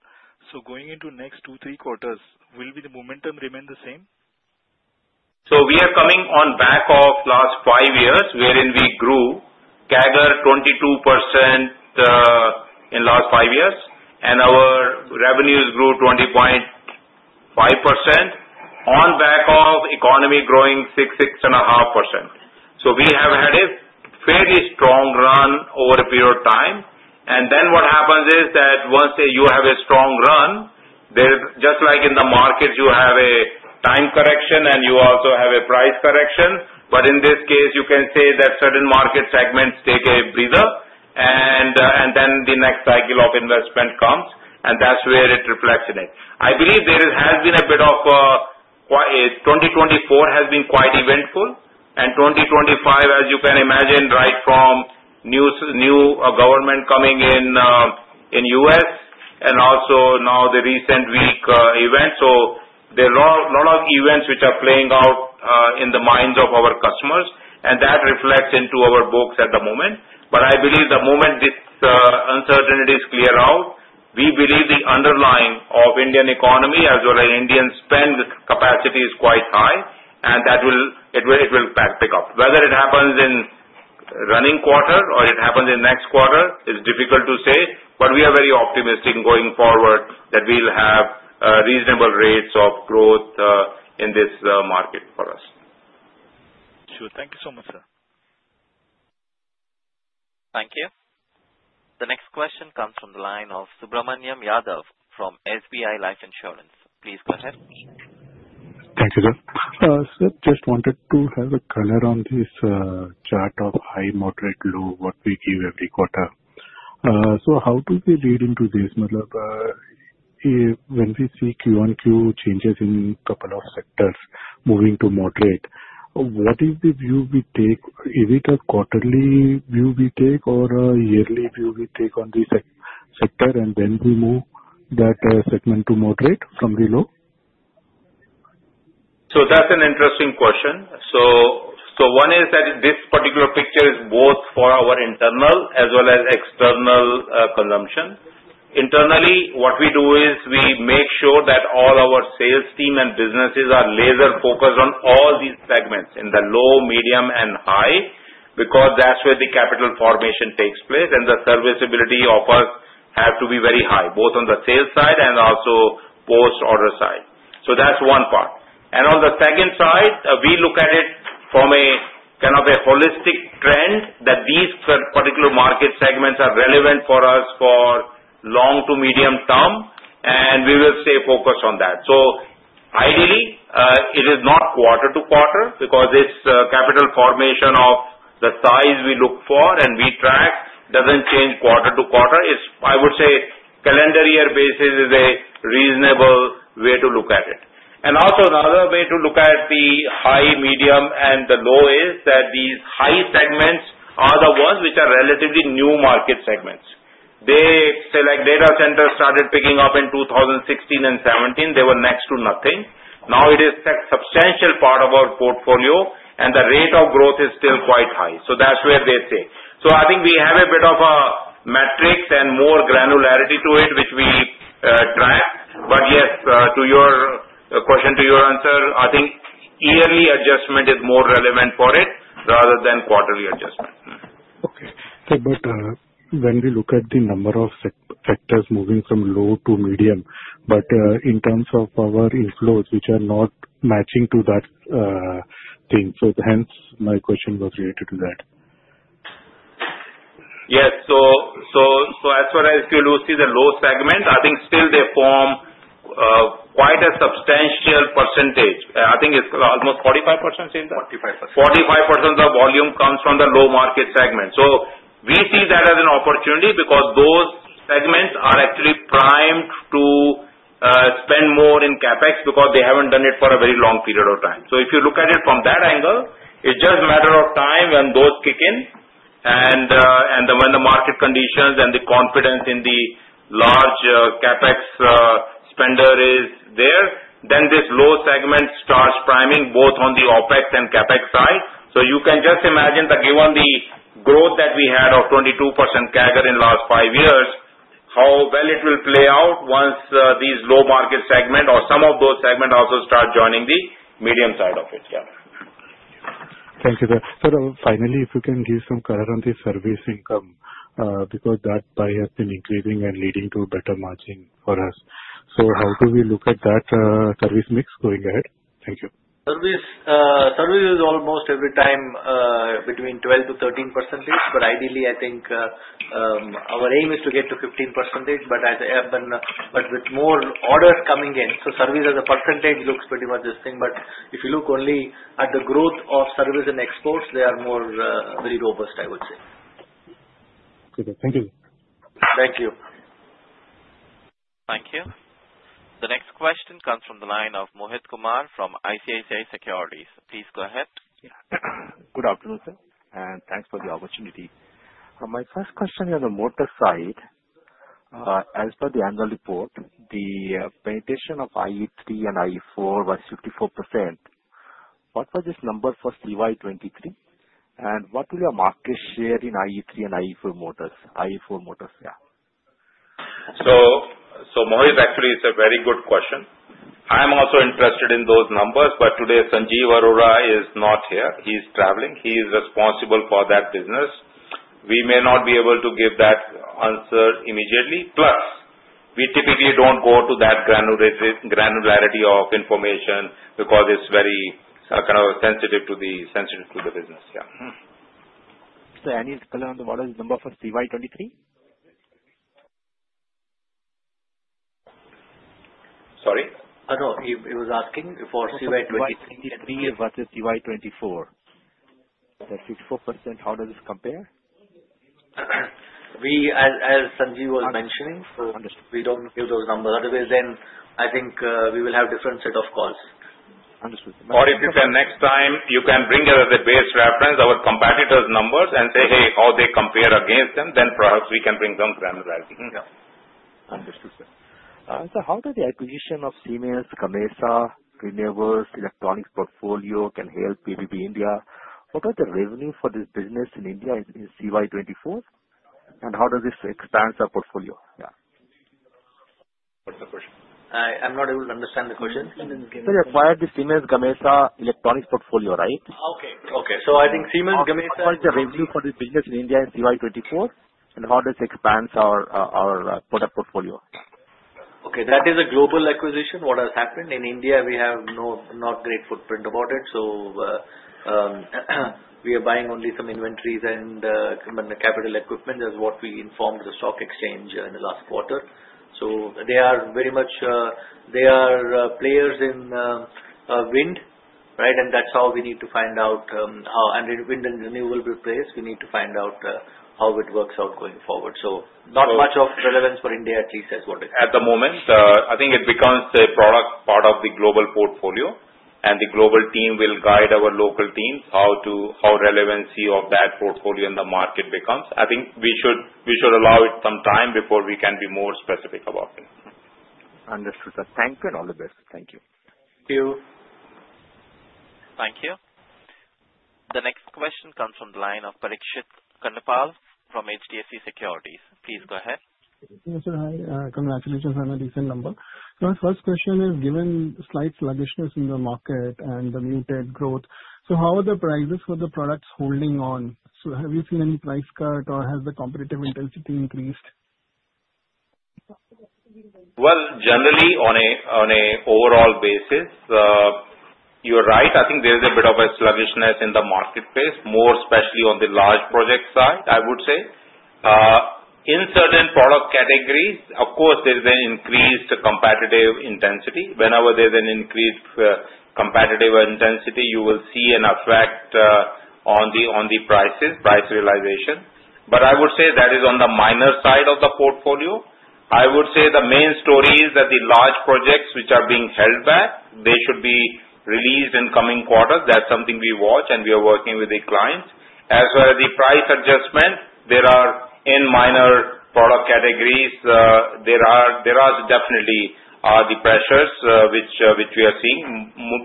Going into next two to three quarters, will the momentum remain the same? We are coming on back of last five years, wherein we grew CAGR 22% in the last five years, and our revenues grew 20.5% on back of economy growing 6%-6.5%. We have had a fairly strong run over a period of time. What happens is that once you have a strong run, just like in the markets, you have a time correction, and you also have a price correction. In this case, you can say that certain market segments take a breather, and then the next cycle of investment comes, and that is where it reflects in it. I believe there has been a bit of 2024 has been quite eventful, and 2025, as you can imagine, right from new government coming in in the US and also now the recent week events. There are a lot of events which are playing out in the minds of our customers, and that reflects into our books at the moment. But I believe the moment this uncertainty is cleared out, we believe the underlying of Indian economy as well as Indian spend capacity is quite high, and that will pick up. Whether it happens in running quarter or it happens in next quarter is difficult to say, but we are very optimistic going forward that we'll have reasonable rates of growth in this market for us. Sure. Thank you so much, sir. Thank you. The next question comes from the line of Subramaniam Yadav from SBI Life Insurance. Please go ahead. Thank you, sir. Sir, just wanted to have a color on this chart of high, moderate, low, what we give every quarter. So how do we read into this? When we see Q1Q changes in a couple of sectors moving to moderate, what is the view we take? Is it a quarterly view we take or a yearly view we take on this sector, and then we move that segment to moderate from below? That's an interesting question. One is that this particular picture is both for our internal as well as external consumption. Internally, what we do is we make sure that all our sales team and businesses are laser-focused on all these segments in the low, medium, and high because that's where the capital formation takes place, and the serviceability offers have to be very high, both on the sales side and also post-order side. That's one part. On the second side, we look at it from a kind of a holistic trend that these particular market segments are relevant for us for long to medium term, and we will stay focused on that. Ideally, it is not quarter to quarter because this capital formation of the size we look for and we track does not change quarter to quarter. I would say calendar year basis is a reasonable way to look at it. Also, another way to look at the high, medium, and the low is that these high segments are the ones which are relatively new market segments. They say data centers started picking up in 2016 and 2017. They were next to nothing. Now, it is a substantial part of our portfolio, and the rate of growth is still quite high. That is where they stay. I think we have a bit of a metrics and more granularity to it which we track. Yes, to your question, to your answer, I think yearly adjustment is more relevant for it rather than quarterly adjustment. Okay. When we look at the number of sectors moving from low to medium, in terms of our inflows, which are not matching to that thing, my question was related to that. Yes. As far as you see the low segment, I think still they form quite a substantial percentage. I think it is almost 45%, Sridhar? 45%. 45% of volume comes from the low market segment. We see that as an opportunity because those segments are actually primed to spend more in CapEx because they have not done it for a very long period of time. If you look at it from that angle, it is just a matter of time when those kick in, and when the market conditions and the confidence in the large CapEx spender is there, then this low segment starts priming both on the OpEx and CapEx side. You can just imagine that given the growth that we had of 22% CAGR in the last five years, how well it will play out once these low market segment or some of those segments also start joining the medium side of it. Yeah. Thank you, sir. Sir, finally, if you can give some color on the service income because that buy has been increasing and leading to better margin for us. How do we look at that service mix going ahead? Thank you. Service is almost every time between 12%-13%, but ideally, I think our aim is to get to 15%, but with more orders coming in. Service as a percentage looks pretty much the same. If you look only at the growth of service and exports, they are more very robust, I would say. Okay. Thank you. Thank you. Thank you. The next question comes from the line of Mohit Kumar from ICICI Securities. Please go ahead. Good afternoon, sir, and thanks for the opportunity. My first question is on the motor side. As per the annual report, the penetration of IE3 and IE4 was 54%. What was this number for CY2023? And what will your market share in IE3 and IE4 motors? Yeah. So Mohit, actually, it's a very good question. I'm also interested in those numbers, but today, Sanjeev Arora is not here. He's traveling. He is responsible for that business. We may not be able to give that answer immediately. Plus, we typically do not go to that granularity of information because it's very kind of sensitive to the business. Yeah. Sir, any color on the number for CY2023? Sorry? No, he was asking for CY2023 versus CY2024. That 54%, how does it compare? As Sanjeev was mentioning, we don't give those numbers. Otherwise, I think we will have a different set of calls. Understood. Or if you can next time, you can bring as a base reference our competitors' numbers and say, "Hey, how they compare against them," then perhaps we can bring some granularity. Yeah. Understood, sir. Sir, how does the acquisition of Siemens Gamesa Renewables Electronics portfolio help ABB India? What are the revenues for this business in India in calendar year 2024? And how does this expand their portfolio? Yeah. What's the question? I'm not able to understand the question. Sir, you acquired the Siemens Gamesa Electronics portfolio, right? Okay. Okay. So I think Siemens Gamesa is the revenue for this business in India in calendar year 2024, and how does it expand our product portfolio? Okay. That is a global acquisition. What has happened in India, we have not a great footprint about it, so we are buying only some inventories and capital equipment, as what we informed the stock exchange in the last quarter. They are very much players in wind, right? That is how we need to find out how wind and renewable will place. We need to find out how it works out going forward. Not much of relevance for India, at least, as what it is. At the moment, I think it becomes a product part of the global portfolio, and the global team will guide our local teams how relevancy of that portfolio in the market becomes. I think we should allow it some time before we can be more specific about it. Understood, sir. Thank you and all the best. Thank you. Thank you. Thank you. The next question comes from the line of Parikshit Karnapal from HDFC Securities. Please go ahead. Yes, sir. Hi. Congratulations on a decent number. My first question is, given slight sluggishness in the market and the muted growth, how are the prices for the products holding on? Have you seen any price cut, or has the competitive intensity increased? Generally, on an overall basis, you're right. I think there is a bit of a sluggishness in the marketplace, more especially on the large project side, I would say. In certain product categories, of course, there is an increased competitive intensity. Whenever there is an increased competitive intensity, you will see an effect on the prices, price realization. I would say that is on the minor side of the portfolio. I would say the main story is that the large projects which are being held back, they should be released in coming quarters. That's something we watch, and we are working with the clients. As for the price adjustment, there are minor product categories. There are definitely the pressures which we are seeing,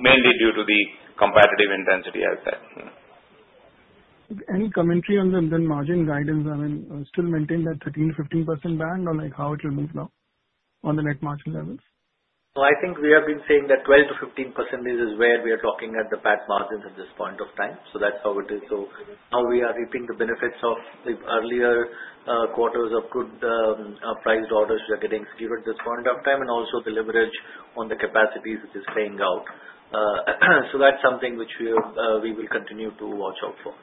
mainly due to the competitive intensity out there. Any commentary on the margin guidance? I mean, still maintain that 13%-15% band, or how it will move now on the net margin levels? I think we have been saying that 12%-15% is where we are talking at the back margins at this point of time. So that's how it is. Now we are reaping the benefits of the earlier quarters of good price orders we are getting given at this point of time, and also the leverage on the capacities which is playing out. That is something which we will continue to watch out for.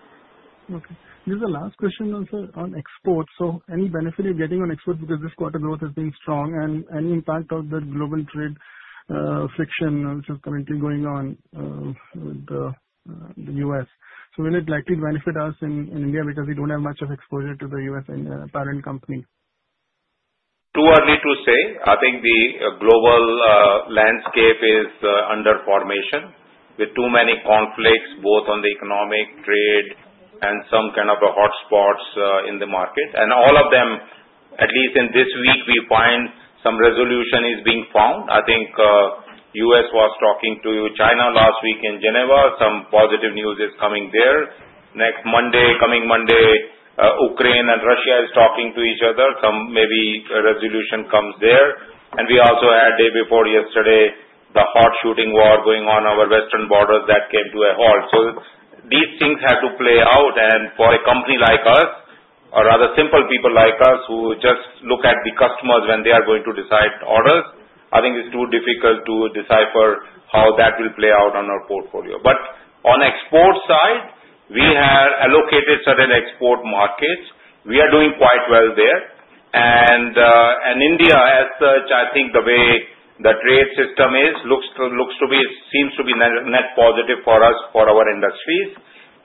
Okay. This is the last question, sir, on exports. Any benefit you are getting on exports because this quarter growth has been strong, and any impact on the global trade friction which is currently going on with the U.S.? Will it likely benefit us in India because we do not have much of exposure to the U.S. parent company? Too early to say. I think the global landscape is under formation with too many conflicts, both on the economic, trade, and some kind of hotspots in the market. All of them, at least in this week, we find some resolution is being found. I think U.S. was talking to China last week in Geneva. Some positive news is coming there. Coming Monday, Ukraine and Russia is talking to each other. Maybe a resolution comes there. We also had, day before yesterday, the hot shooting war going on our western borders that came to a halt. These things have to play out. For a company like us or other simple people like us who just look at the customers when they are going to decide orders, I think it's too difficult to decipher how that will play out on our portfolio. On export side, we have allocated certain export markets. We are doing quite well there. In India, as such, I think the way the trade system looks to be seems to be net positive for us, for our industries.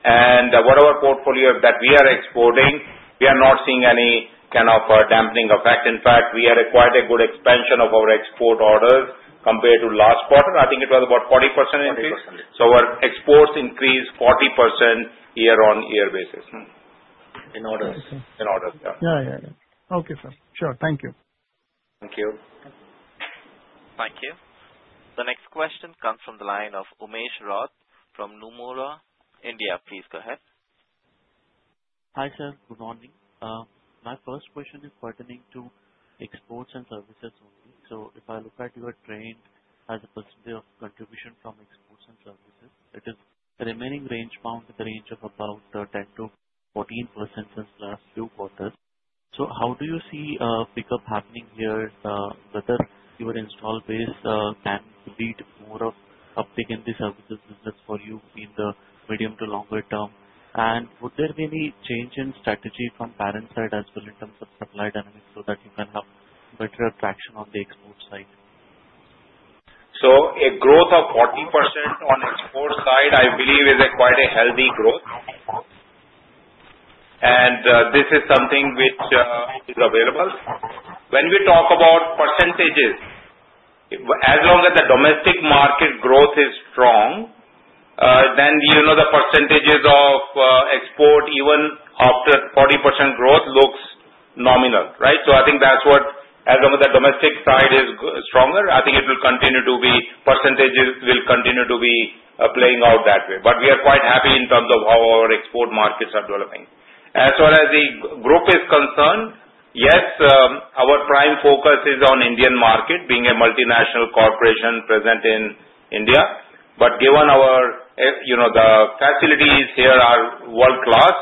Whatever portfolio that we are exporting, we are not seeing any kind of dampening effect. In fact, we had quite a good expansion of our export orders compared to last quarter. I think it was about 40% increase. Our exports increased 40% year-on-year basis. In orders. In orders. Yeah. Okay, sir. Sure. Thank you. Thank you. The next question comes from the line of Umesh Raut from Nomura, India. Please go ahead. Hi, sir. Good morning. My first question is pertaining to exports and services only. If I look at your trend as a percentage of contribution from exports and services, it is remaining rangebound at the range of about 10%-14% since last few quarters. How do you see a pickup happening here, whether your install base can lead more of an uptick in the services business for you in the medium to longer term? Would there be any change in strategy from parent side as well in terms of supply dynamics so that you can have better traction on the export side? A growth of 40% on export side, I believe, is quite a healthy growth. This is something which is available. When we talk about percentages, as long as the domestic market growth is strong, then the percentages of export, even after 40% growth, looks nominal, right? I think that is what, as long as the domestic side is stronger, it will continue to be percentages will continue to be playing out that way. We are quite happy in terms of how our export markets are developing. As far as the group is concerned, yes, our prime focus is on Indian market being a multinational corporation present in India. Given the facilities here are world-class,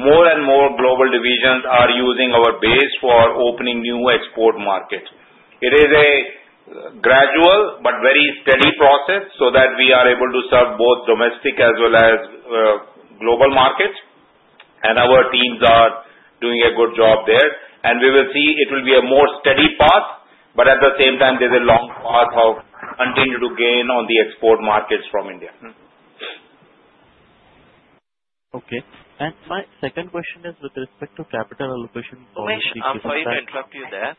more and more global divisions are using our base for opening new export markets. It is a gradual but very steady process so that we are able to serve both domestic as well as global markets. Our teams are doing a good job there. We will see it will be a more steady path, but at the same time, there is a long path of continuing to gain on the export markets from India. Okay. My second question is with respect to capital allocation for HDFC. Umesh, I am sorry to interrupt you there.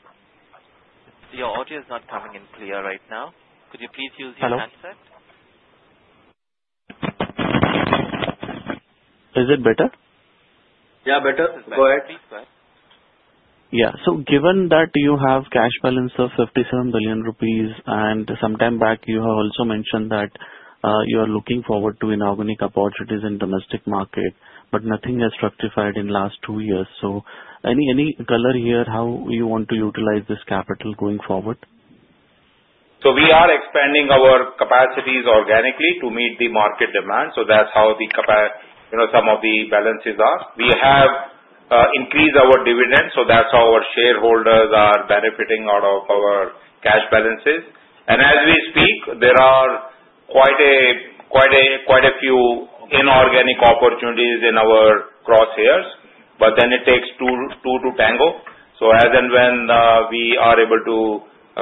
Your audio is not coming in clear right now. Could you please use your handset? Hello. Is it better? Yeah, better. Go ahead. Please go ahead. Yeah. Given that you have cash balance of 57 billion rupees, and some time back you have also mentioned that you are looking forward to inorganic opportunities in the domestic market, but nothing has structured in the last two years. Any color here how you want to utilize this capital going forward? We are expanding our capacities organically to meet the market demand. That is how some of the balances are. We have increased our dividends, so that is how our shareholders are benefiting out of our cash balances. As we speak, there are quite a few inorganic opportunities in our crosshairs, but then it takes two to tango. As and when we are able to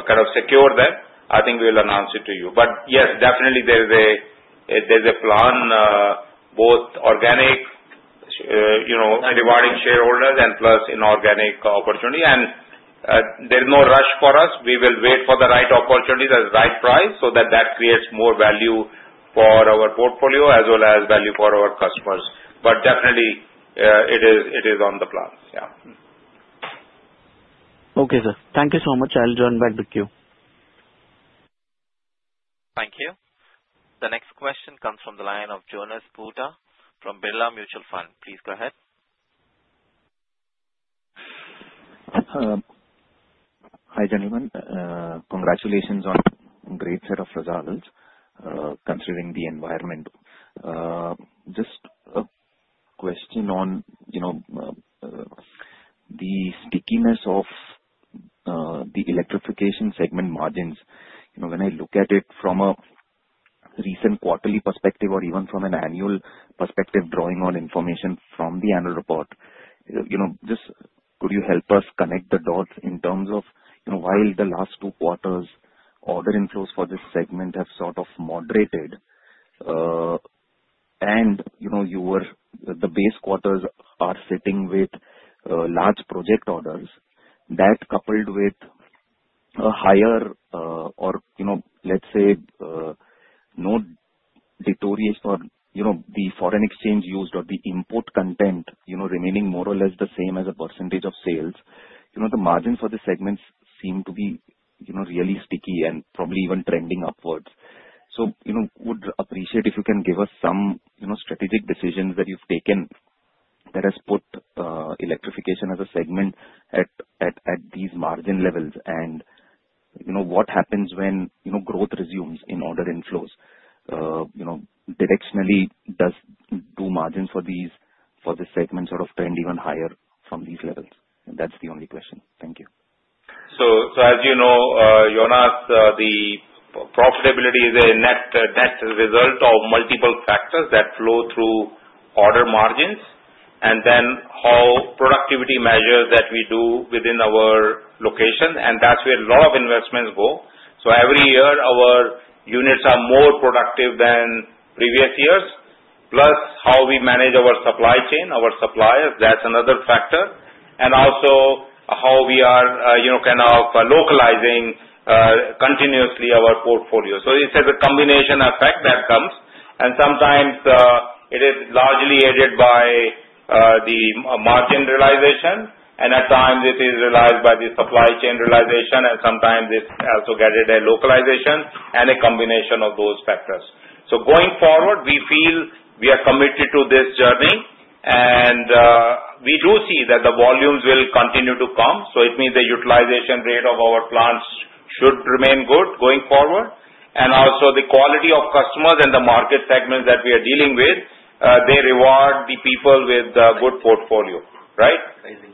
kind of secure them, I think we will announce it to you. Yes, definitely, there's a plan, both organic rewarding shareholders and plus inorganic opportunity. There's no rush for us. We will wait for the right opportunity at the right price so that that creates more value for our portfolio as well as value for our customers. Definitely, it is on the plan. Yeah. Okay, sir. Thank you so much. I'll join back with you. Thank you. The next question comes from the line of Jonas Bhutta from Birla Mutual Fund. Please go ahead. Hi, gentlemen. Congratulations on a great set of results considering the environment. Just a question on the stickiness of the electrification segment margins. When I look at it from a recent quarterly perspective or even from an annual perspective, drawing on information from the annual report, just could you help us connect the dots in terms of while the last two quarters order inflows for this segment have sort of moderated, and the base quarters are sitting with large project orders, that coupled with a higher or, let's say, no deterioration or the foreign exchange used or the import content remaining more or less the same as a percentage of sales, the margins for the segments seem to be really sticky and probably even trending upwards. Would appreciate if you can give us some strategic decisions that you've taken that have put electrification as a segment at these margin levels and what happens when growth resumes in order inflows. Directionally, do margins for these segments sort of trend even higher from these levels? That's the only question. Thank you. As you know, Jonas, the profitability is a net result of multiple factors that flow through order margins, and then how productivity measures that we do within our location. That is where a lot of investments go. Every year, our units are more productive than previous years, plus how we manage our supply chain, our suppliers. That is another factor. Also, how we are kind of localizing continuously our portfolio. It is a combination effect that comes. Sometimes it is largely aided by the margin realization, and at times, it is realized by the supply chain realization, and sometimes it is also guided by localization and a combination of those factors. Going forward, we feel we are committed to this journey, and we do see that the volumes will continue to come. It means the utilization rate of our plants should remain good going forward. Also, the quality of customers and the market segments that we are dealing with, they reward the people with a good portfolio, right? Amazing.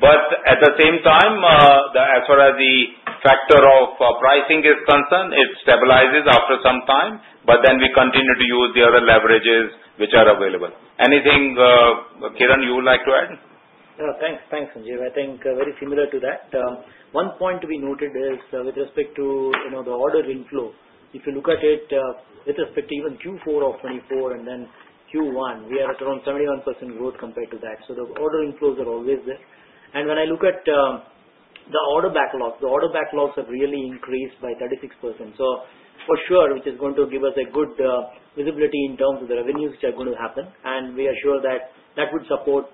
At the same time, as far as the factor of pricing is concerned, it stabilizes after some time, but then we continue to use the other leverages which are available. Anything, Kiran, you would like to add? Yeah. Thanks, Sanjeev. I think very similar to that. One point we noted is with respect to the order inflow. If you look at it with respect to even Q4 of 2024 and then Q1, we are at around 71% growth compared to that. The order inflows are always there. When I look at the order backlogs, the order backlogs have really increased by 36%. For sure, which is going to give us good visibility in terms of the revenues which are going to happen, and we are sure that that would support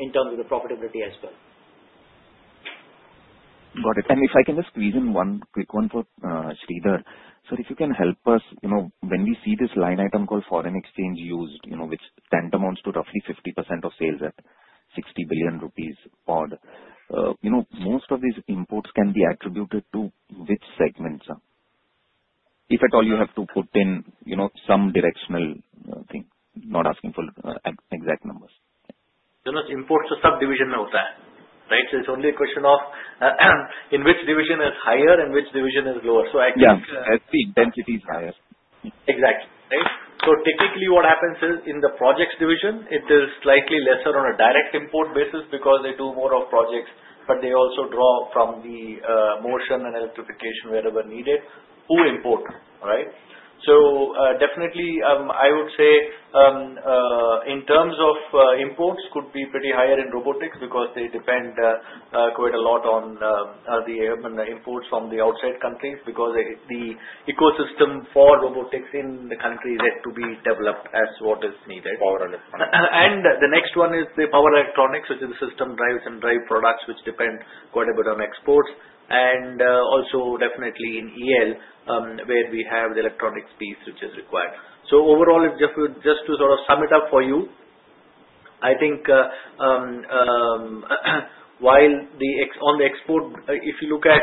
in terms of the profitability as well. Got it. If I can just squeeze in one quick one for Sridhar. If you can help us, when we see this line item called foreign exchange used, which amounts to roughly 50% of sales at 60 billion rupees odd, most of these imports can be attributed to which segments? If at all, you have to put in some directional thing, not asking for exact numbers. Jonas, imports are subdivisions that are there, right? It is only a question of in which division is higher and which division is lower. I think. Yeah. As the intensity is higher. Exactly. Right? Technically, what happens is in the projects division, it is slightly lesser on a direct import basis because they do more of projects, but they also draw from the motion and electrification wherever needed to import, right? Definitely, I would say in terms of imports, it could be pretty higher in robotics because they depend quite a lot on the imports from the outside countries because the ecosystem for robotics in the country is yet to be developed as what is needed. Power electronics. The next one is the power electronics, which is the system drives and drive products which depend quite a bit on exports. Also, definitely in EL, where we have the electronics piece which is required. Overall, just to sort of sum it up for you, I think while on the export, if you look at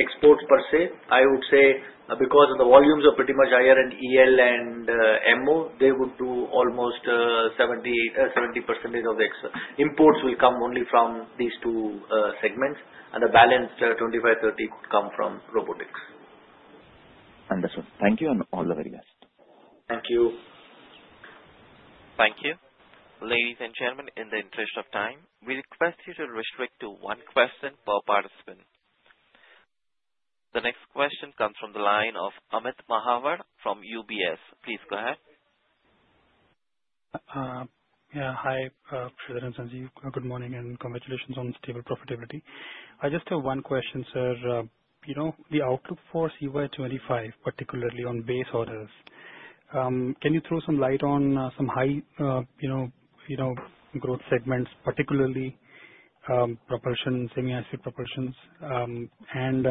exports per se, I would say because the volumes are pretty much higher in EL and MO, they would do almost 70% of the export. Imports will come only from these two segments, and the balanced 25%-30% would come from robotics. Understood. Thank you, and all the very best. Thank you. Thank you. Ladies and gentlemen, in the interest of time, we request you to restrict to one question per participant. The next question comes from the line of Amit Mahawar from UBS. Please go ahead. Yeah. Hi, Sridhar and Sanjeev. Good morning, and congratulations on stable profitability. I just have one question, sir. The outlook for COI 25, particularly on base orders, can you throw some light on some high growth segments, particularly propulsion, semi-acid propulsions, and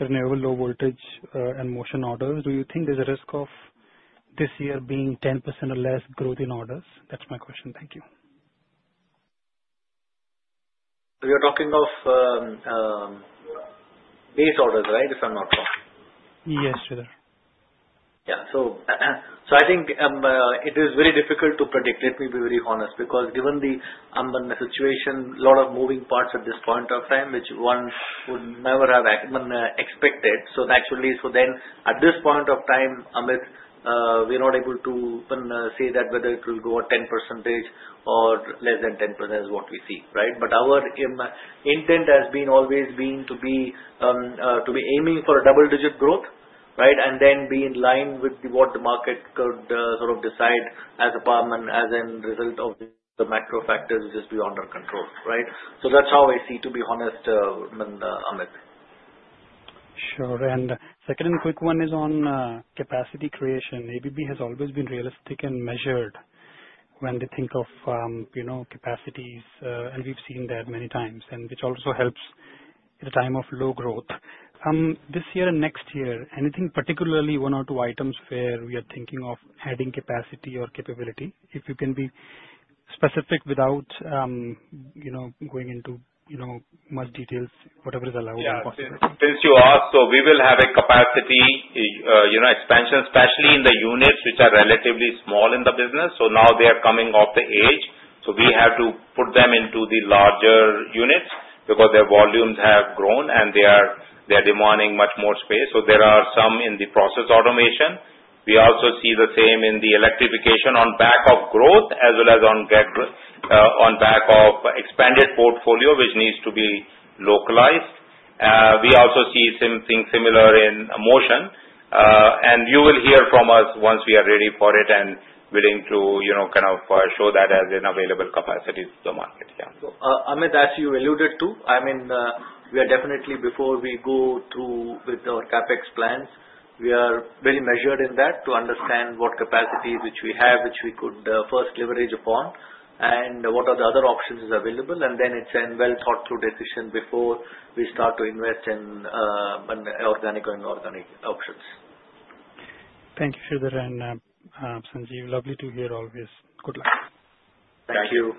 renewable low voltage and motion orders? Do you think there's a risk of this year being 10% or less growth in orders? That's my question. Thank you. We are talking of base orders, right, if I'm not wrong? Yes, Sridhar. Yeah. I think it is very difficult to predict, let me be very honest, because given the situation, a lot of moving parts at this point of time, which one would never have expected. Actually, at this point of time, Amit, we're not able to say that whether it will go at 10% or less than 10% is what we see, right? Our intent has always been to be aiming for a double-digit growth, right, and then be in line with what the market could sort of decide as a result of the macro factors which are beyond our control, right? That is how I see it, to be honest, Amit. Sure. A quick one is on capacity creation. ABB has always been realistic and measured when they think of capacities, and we have seen that many times, which also helps at a time of low growth. This year and next year, anything particularly, one or two items where we are thinking of adding capacity or capability? If you can be specific without going into much detail, whatever is allowed and possible. Since you asked, we will have a capacity expansion, especially in the units which are relatively small in the business. Now they are coming of age, so we have to put them into the larger units because their volumes have grown and they are demanding much more space. There are some in the process automation. We also see the same in the electrification on back of growth as well as on back of expanded portfolio which needs to be localized. We also see something similar in motion, and you will hear from us once we are ready for it and willing to kind of show that as an available capacity to the market. Yeah. Amit, as you alluded to, I mean, we are definitely, before we go through with our CapEx plans, we are very measured in that to understand what capacity which we have, which we could first leverage upon, and what are the other options available. It is a well-thought-through decision before we start to invest in organic or inorganic options. Thank you, Sridhar and Sanjeev. Lovely to hear always. Good luck. Thank you.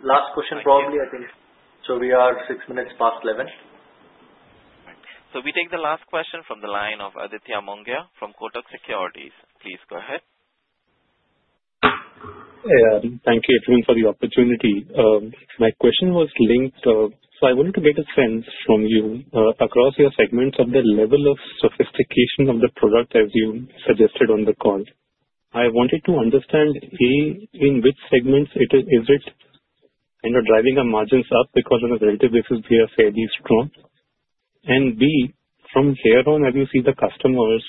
Last question, probably, I think. We are 6 minutes past 11:00. We take the last question from the line of Aditya Mongia from Kotak Securities. Please go ahead. Thank you, everyone, for the opportunity. My question was linked. I wanted to get a sense from you across your segments of the level of sophistication of the product, as you suggested on the call. I wanted to understand, A, in which segments is it kind of driving our margins up because on a relative basis, we are fairly strong? And B, from here on, have you seen the customers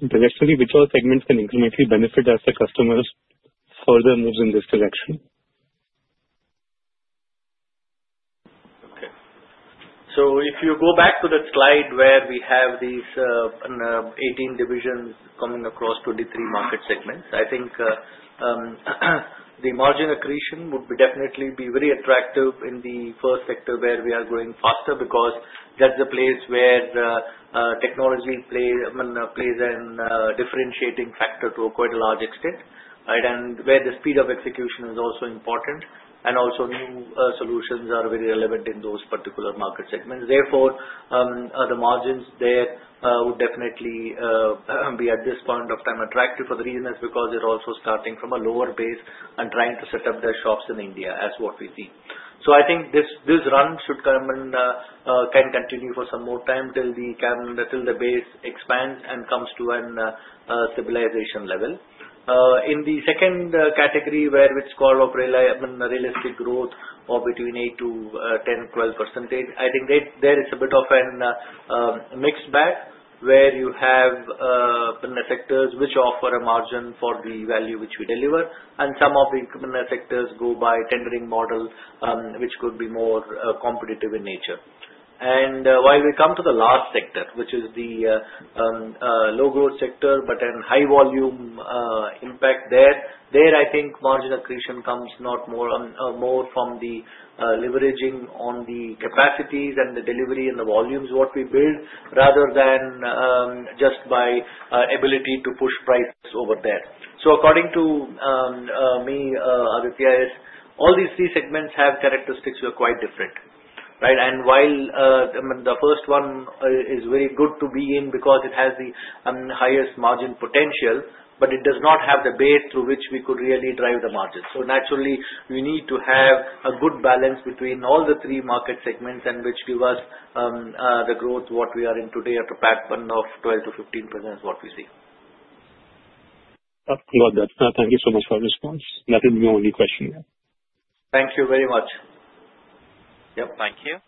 directionally? Which other segments can incrementally benefit as the customers further move in this direction? If you go back to that slide where we have these 18 divisions coming across 23 market segments, I think the margin accretion would definitely be very attractive in the first sector where we are going faster because that's the place where technology plays a differentiating factor to a quite large extent, right, and where the speed of execution is also important. Also, new solutions are very relevant in those particular market segments. Therefore, the margins there would definitely be, at this point of time, attractive for the reason is because they're also starting from a lower base and trying to set up their shops in India as what we see. I think this run can continue for some more time until the base expands and comes to a stabilization level. In the second category, where it's called realistic growth of between 8%, 10%, 12%, I think there is a bit of a mixed bag where you have sectors which offer a margin for the value which we deliver, and some of the incremental sectors go by tendering model, which could be more competitive in nature. While we come to the last sector, which is the low-growth sector, but then high volume impact there, I think margin accretion comes more from the leveraging on the capacities and the delivery and the volumes what we build rather than just by ability to push prices over there. According to me, Aditya, all these three segments have characteristics that are quite different, right? While the first one is very good to be in because it has the highest margin potential, it does not have the base through which we could really drive the margin. Naturally, we need to have a good balance between all the three market segments, which give us the growth we are in today at a backburn of 12-15% is what we see. That's all. That's enough. Thank you so much for your response. That is the only question. Thank you very much. Yep. Thank you.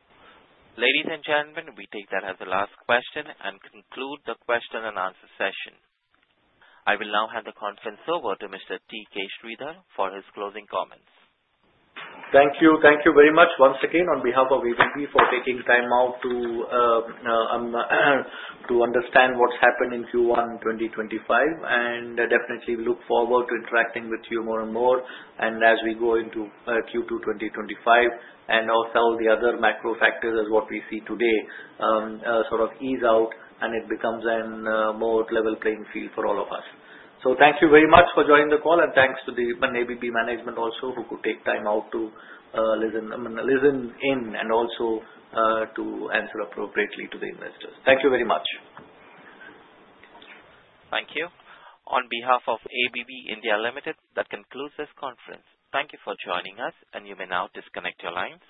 Ladies and gentlemen, we take that as the last question and conclude the question and answer session. I will now hand the conference over to Mr. T. K. Sridhar for his closing comments. Thank you. Thank you very much once again on behalf of ABB for taking time out to understand what's happened in Q1 2025. We look forward to interacting with you more and more. As we go into Q2 2025 and all the other macro factors as what we see today sort of ease out, it becomes a more level playing field for all of us. Thank you very much for joining the call, and thanks to the ABB management also who could take time out to listen in and also to answer appropriately to the investors. Thank you very much. Thank you. On behalf of ABB India Limited, that concludes this conference. Thank you for joining us, and you may now disconnect your lines.